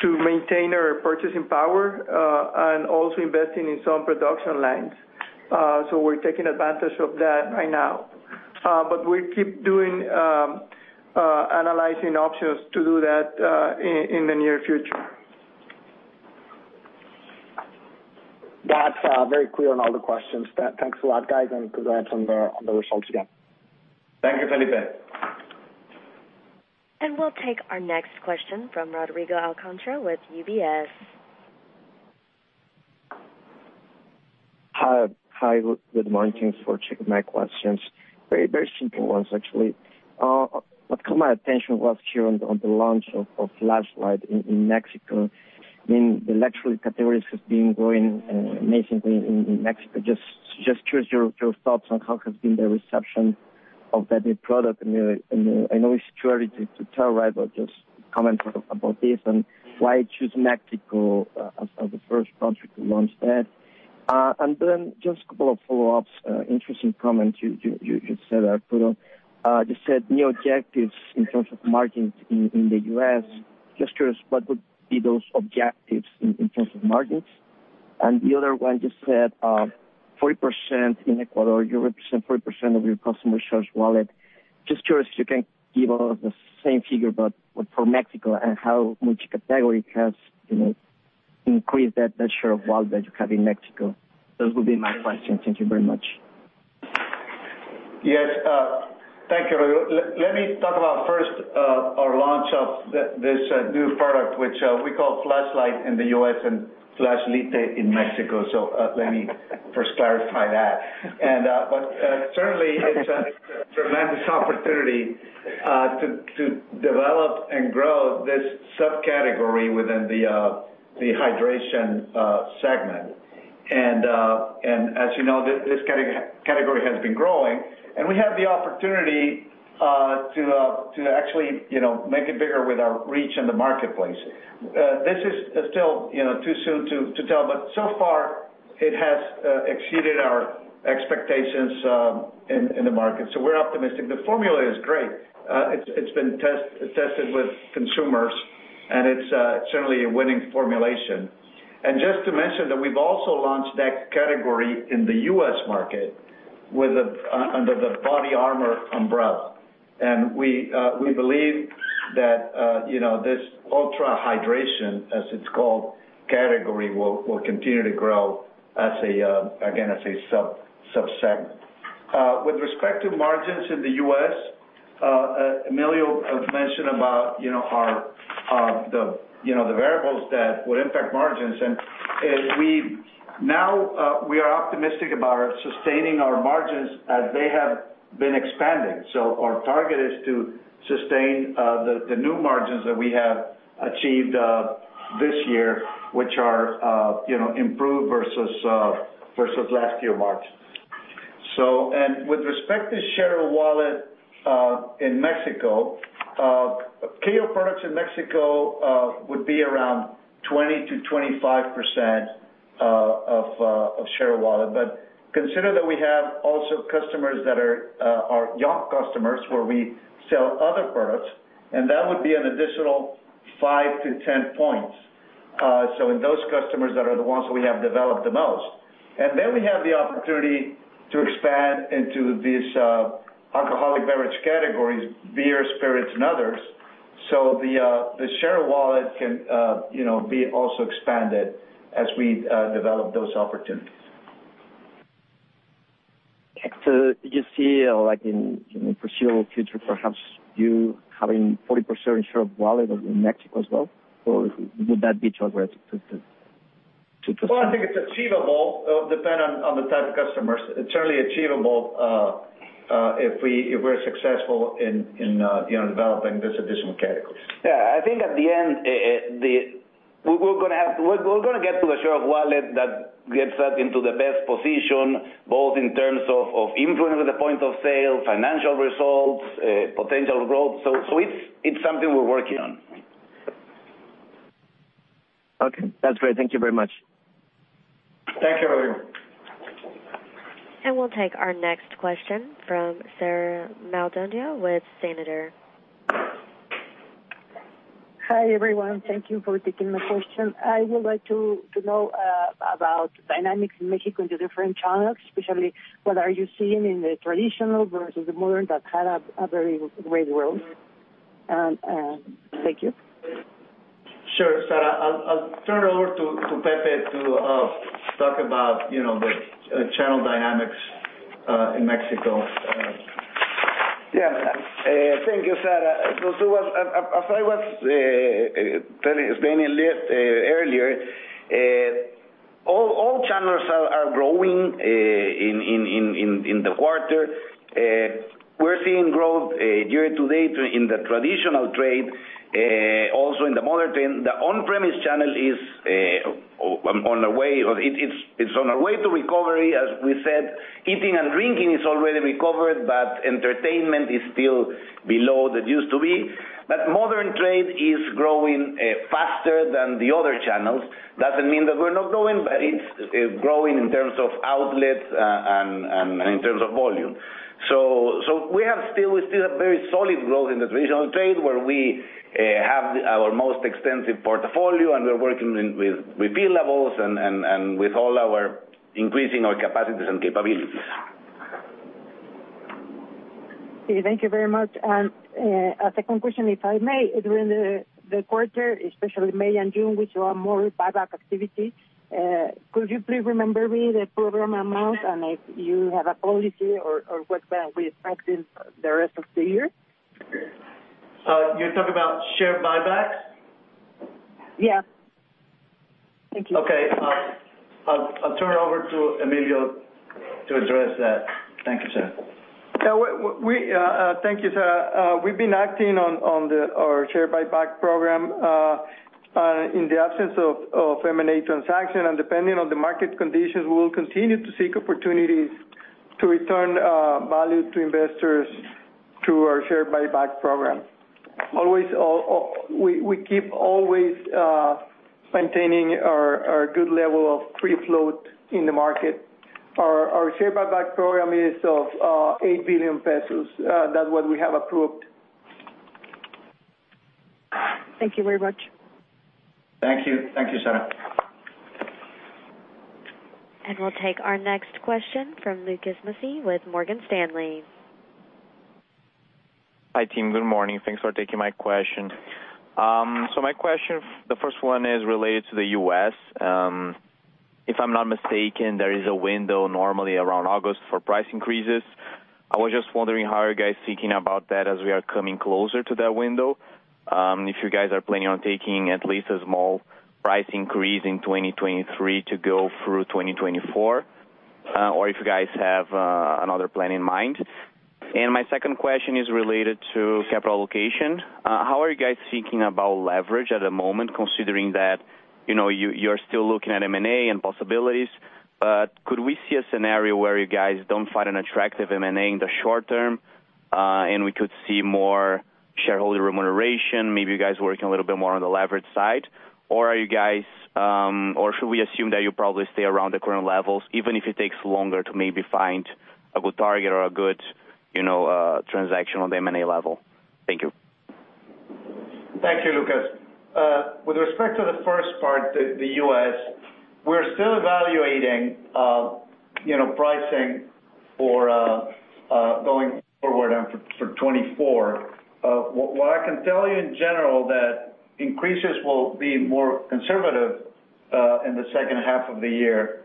S4: maintain our purchasing power and also investing in some production lines. We're taking advantage of that right now. We keep doing analyzing options to do that in the near future.
S12: That's very clear on all the questions. Thanks a lot, guys, and congrats on the results again.
S3: Thank you, Felipe.
S1: We'll take our next question from Rodrigo Alcantara with UBS.
S13: Hi, good morning. Thanks for taking my questions. Very simple ones, actually. What caught my attention was here on the launch of Flashlyte in Mexico. I mean, the electrical categories has been growing amazingly in Mexico. Just curious, your thoughts on how has been the reception of that new product? I know it's too early to tell, right? Just comment about this, and why choose Mexico as the first country to launch that? Just a couple of follow-ups. Interesting comment you said, Arturo. You said new objectives in terms of margins in the U.S.. Just curious, what would be those objectives in terms of margins? The other one, you said, 40% in Ecuador, you represent 40% of your customer shares wallet. Just curious, you can give us the same figure, but for Mexico, and how much category has, you know, increased that share of wallet that you have in Mexico? Those would be my questions. Thank you very much.
S3: Yes, thank you, Rodrigo. Let me talk about first, our launch of this new product, which we call Flashlyte in the U.S. and Flashlyte in Mexico. Let me first clarify that. But, certainly it's a tremendous opportunity to develop and grow this subcategory within the Hydration segment. As you know, this category has been growing, and we have the opportunity to actually, you know, make it bigger with our reach in the marketplace. This is still, you know, too soon to tell, but so far it has exceeded our expectations in the market, so we're optimistic. The formula is great. It's been tested with consumers, and it's certainly a winning formulation. Just to mention that we've also launched that category in the U.S. market with the under the BODYARMOR umbrella. We believe that, you know, this ultra hydration, as it's called, category, will continue to grow as a again, as a subsegment. With respect to margins in the U.S., Emilio has mentioned about, you know, our the, you know, the variables that would impact margins. Now, we are optimistic about sustaining our margins as they have been expanding. Our target is to sustain the new margins that we have achieved this year, which are, you know, improved versus versus last year margins. With respect to share of wallet, in Mexico, our core products in Mexico, would be around 20%-25%, of share of wallet. Consider that we have also customers that are young customers, where we sell other products, and that would be an additional 5-10 points, so in those customers that are the ones we have developed the most. We have the opportunity to expand into these, alcoholic beverage categories, beer, spirits, and others. The share of wallet can, you know, be also expanded as we, develop those opportunities.
S13: Do you see, like in the foreseeable future, perhaps you having 40% share of wallet in Mexico as well, or would that be too aggressive to?
S3: I think it's achievable, depend on the type of customers. It's certainly achievable, if we, if we're successful in, you know, developing this additional categories.
S8: Yeah, I think at the end. ... We're gonna get to a share of wallet that gets us into the best position, both in terms of influence with the point of sale, financial results, potential growth. It's something we're working on.
S13: Okay, that's great. Thank you very much.
S3: Thank you, Rodrigo.
S1: We'll take our next question from Sara Maldonado with Santander.
S14: Hi, everyone. Thank you for taking my question. I would like to know about dynamics in Mexico in the different channels, especially what are you seeing in the traditional versus the modern that had a very great growth? Thank you.
S3: Sure, Sara. I'll turn it over to Pepe to talk about, you know, the channel dynamics in Mexico.
S8: Yeah, thank you, Sara. As I was telling Daniel earlier, all channels are growing in the quarter. We're seeing growth year-to-date in the traditional trade, also in the modern. The on-premise channel is on our way, or it's on our way to recovery. As we said, eating and drinking is already recovered, but entertainment is still below that used to be. Modern trade is growing faster than the other channels. Doesn't mean that we're not growing, but it's growing in terms of outlets, and in terms of volume. So we have still, we still have very solid growth in the traditional trade, where we have our most extensive portfolio, and we're working in with repeat levels and with all our increasing our capacities and capabilities.
S14: Thank you very much. A second question, if I may. During the quarter, especially May and June, which are more buyback activity, could you please remember me the program amount, and if you have a policy or what we expecting the rest of the year?
S3: You're talking about share buybacks?
S14: Yeah. Thank you.
S3: Okay. I'll turn it over to Emilio to address that. Thank you, Sara.
S4: Yeah, we thank you, Sara. We've been acting on the, our share buyback program in the absence of M&A transaction. Depending on the market conditions, we will continue to seek opportunities to return value to investors through our share buyback program. Always, we keep always maintaining our good level of free float in the market. Our share buyback program is of 8 billion pesos. That's what we have approved.
S14: Thank you very much.
S3: Thank you. Thank you, Sara.
S1: We'll take our next question from Lucas Mussi with Morgan Stanley.
S15: Hi, team. Good morning. Thanks for taking my question. My question, the first one is related to the U.S. If I'm not mistaken, there is a window normally around August for price increases. I was just wondering, how are you guys thinking about that as we are coming closer to that window? If you guys are planning on taking at least a small price increase in 2023 to go through 2024, or if you guys have another plan in mind? My second question is related to capital allocation. How are you guys thinking about leverage at the moment, considering that, you know, you're still looking at M&A and possibilities? Could we see a scenario where you guys don't find an attractive M&A in the short term, and we could see more shareholder remuneration, maybe you guys working a little bit more on the leverage side? Are you guys or should we assume that you'll probably stay around the current levels, even if it takes longer to maybe find a good target or a good, you know, transaction on the M&A level? Thank you.
S3: Thank you, Lucas. With respect to the first part, the U.S., we're still evaluating, you know, pricing for going forward and for 2024. What I can tell you in general, that increases will be more conservative in the second half of the year.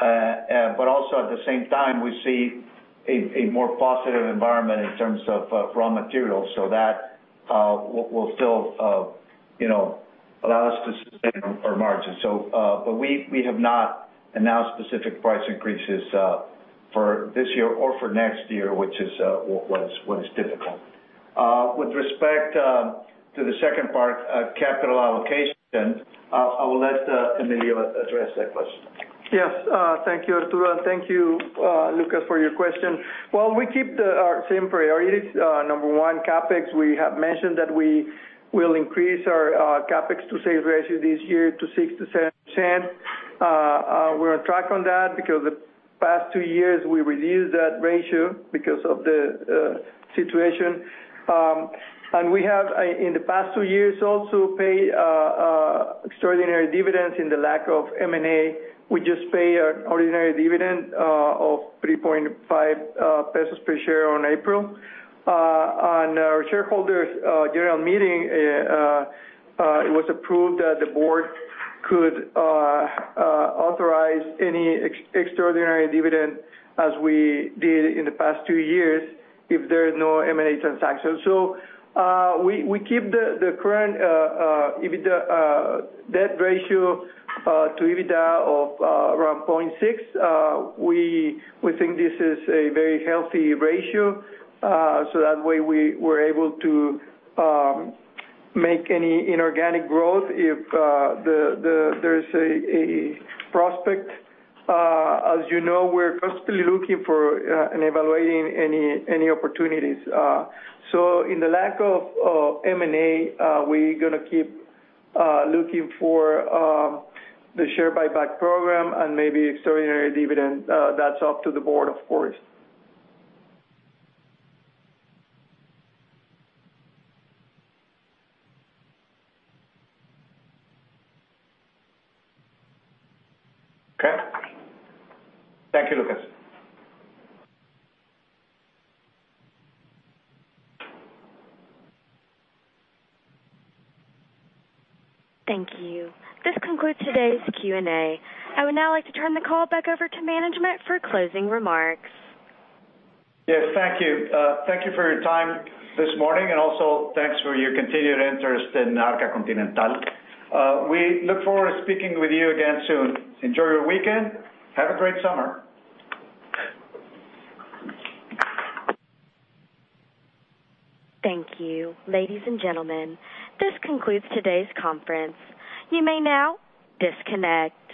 S3: Also at the same time, we see a more positive environment in terms of raw materials. That will still, you know, allow us to sustain our margins. We have not announced specific price increases for this year or for next year, which is what is difficult. With respect to the second part, capital allocation, I will let Emilio address that question.
S4: Yes. Thank you, Arturo. Thank you, Lucas, for your question. Well, we keep our same priorities. Number one, CapEx. We have mentioned that we will increase our CapEx to sales ratio this year to 6%-7%. We're on track on that because the past two years, we reduced that ratio because of the situation. We have, in the past two years, also paid extraordinary dividends in the lack of M&A. We just pay our ordinary dividend of 3.5 pesos per share on April. On our shareholders' general meeting, it was approved that the Board could authorize any extraordinary dividend as we did in the past two years, if there is no M&A transaction. We keep the current EBITDA debt ratio to EBITDA of around 0.6. We think this is a very healthy ratio, so that way we were able to make any inorganic growth if there is a prospect. As you know, we're constantly looking for and evaluating any opportunities. In the lack of M&A, we're gonna keep looking for the share buyback program and maybe extraordinary dividend. That's up to the board, of course.
S15: Okay.
S3: Thank you, Lucas.
S1: Thank you. This concludes today's Q&A. I would now like to turn the call back over to management for closing remarks.
S3: Yes, thank you. Thank you for your time this morning, and also thanks for your continued interest in Arca Continental. We look forward to speaking with you again soon. Enjoy your weekend. Have a great summer.
S1: Thank you. Ladies and gentlemen, this concludes today's conference. You may now disconnect.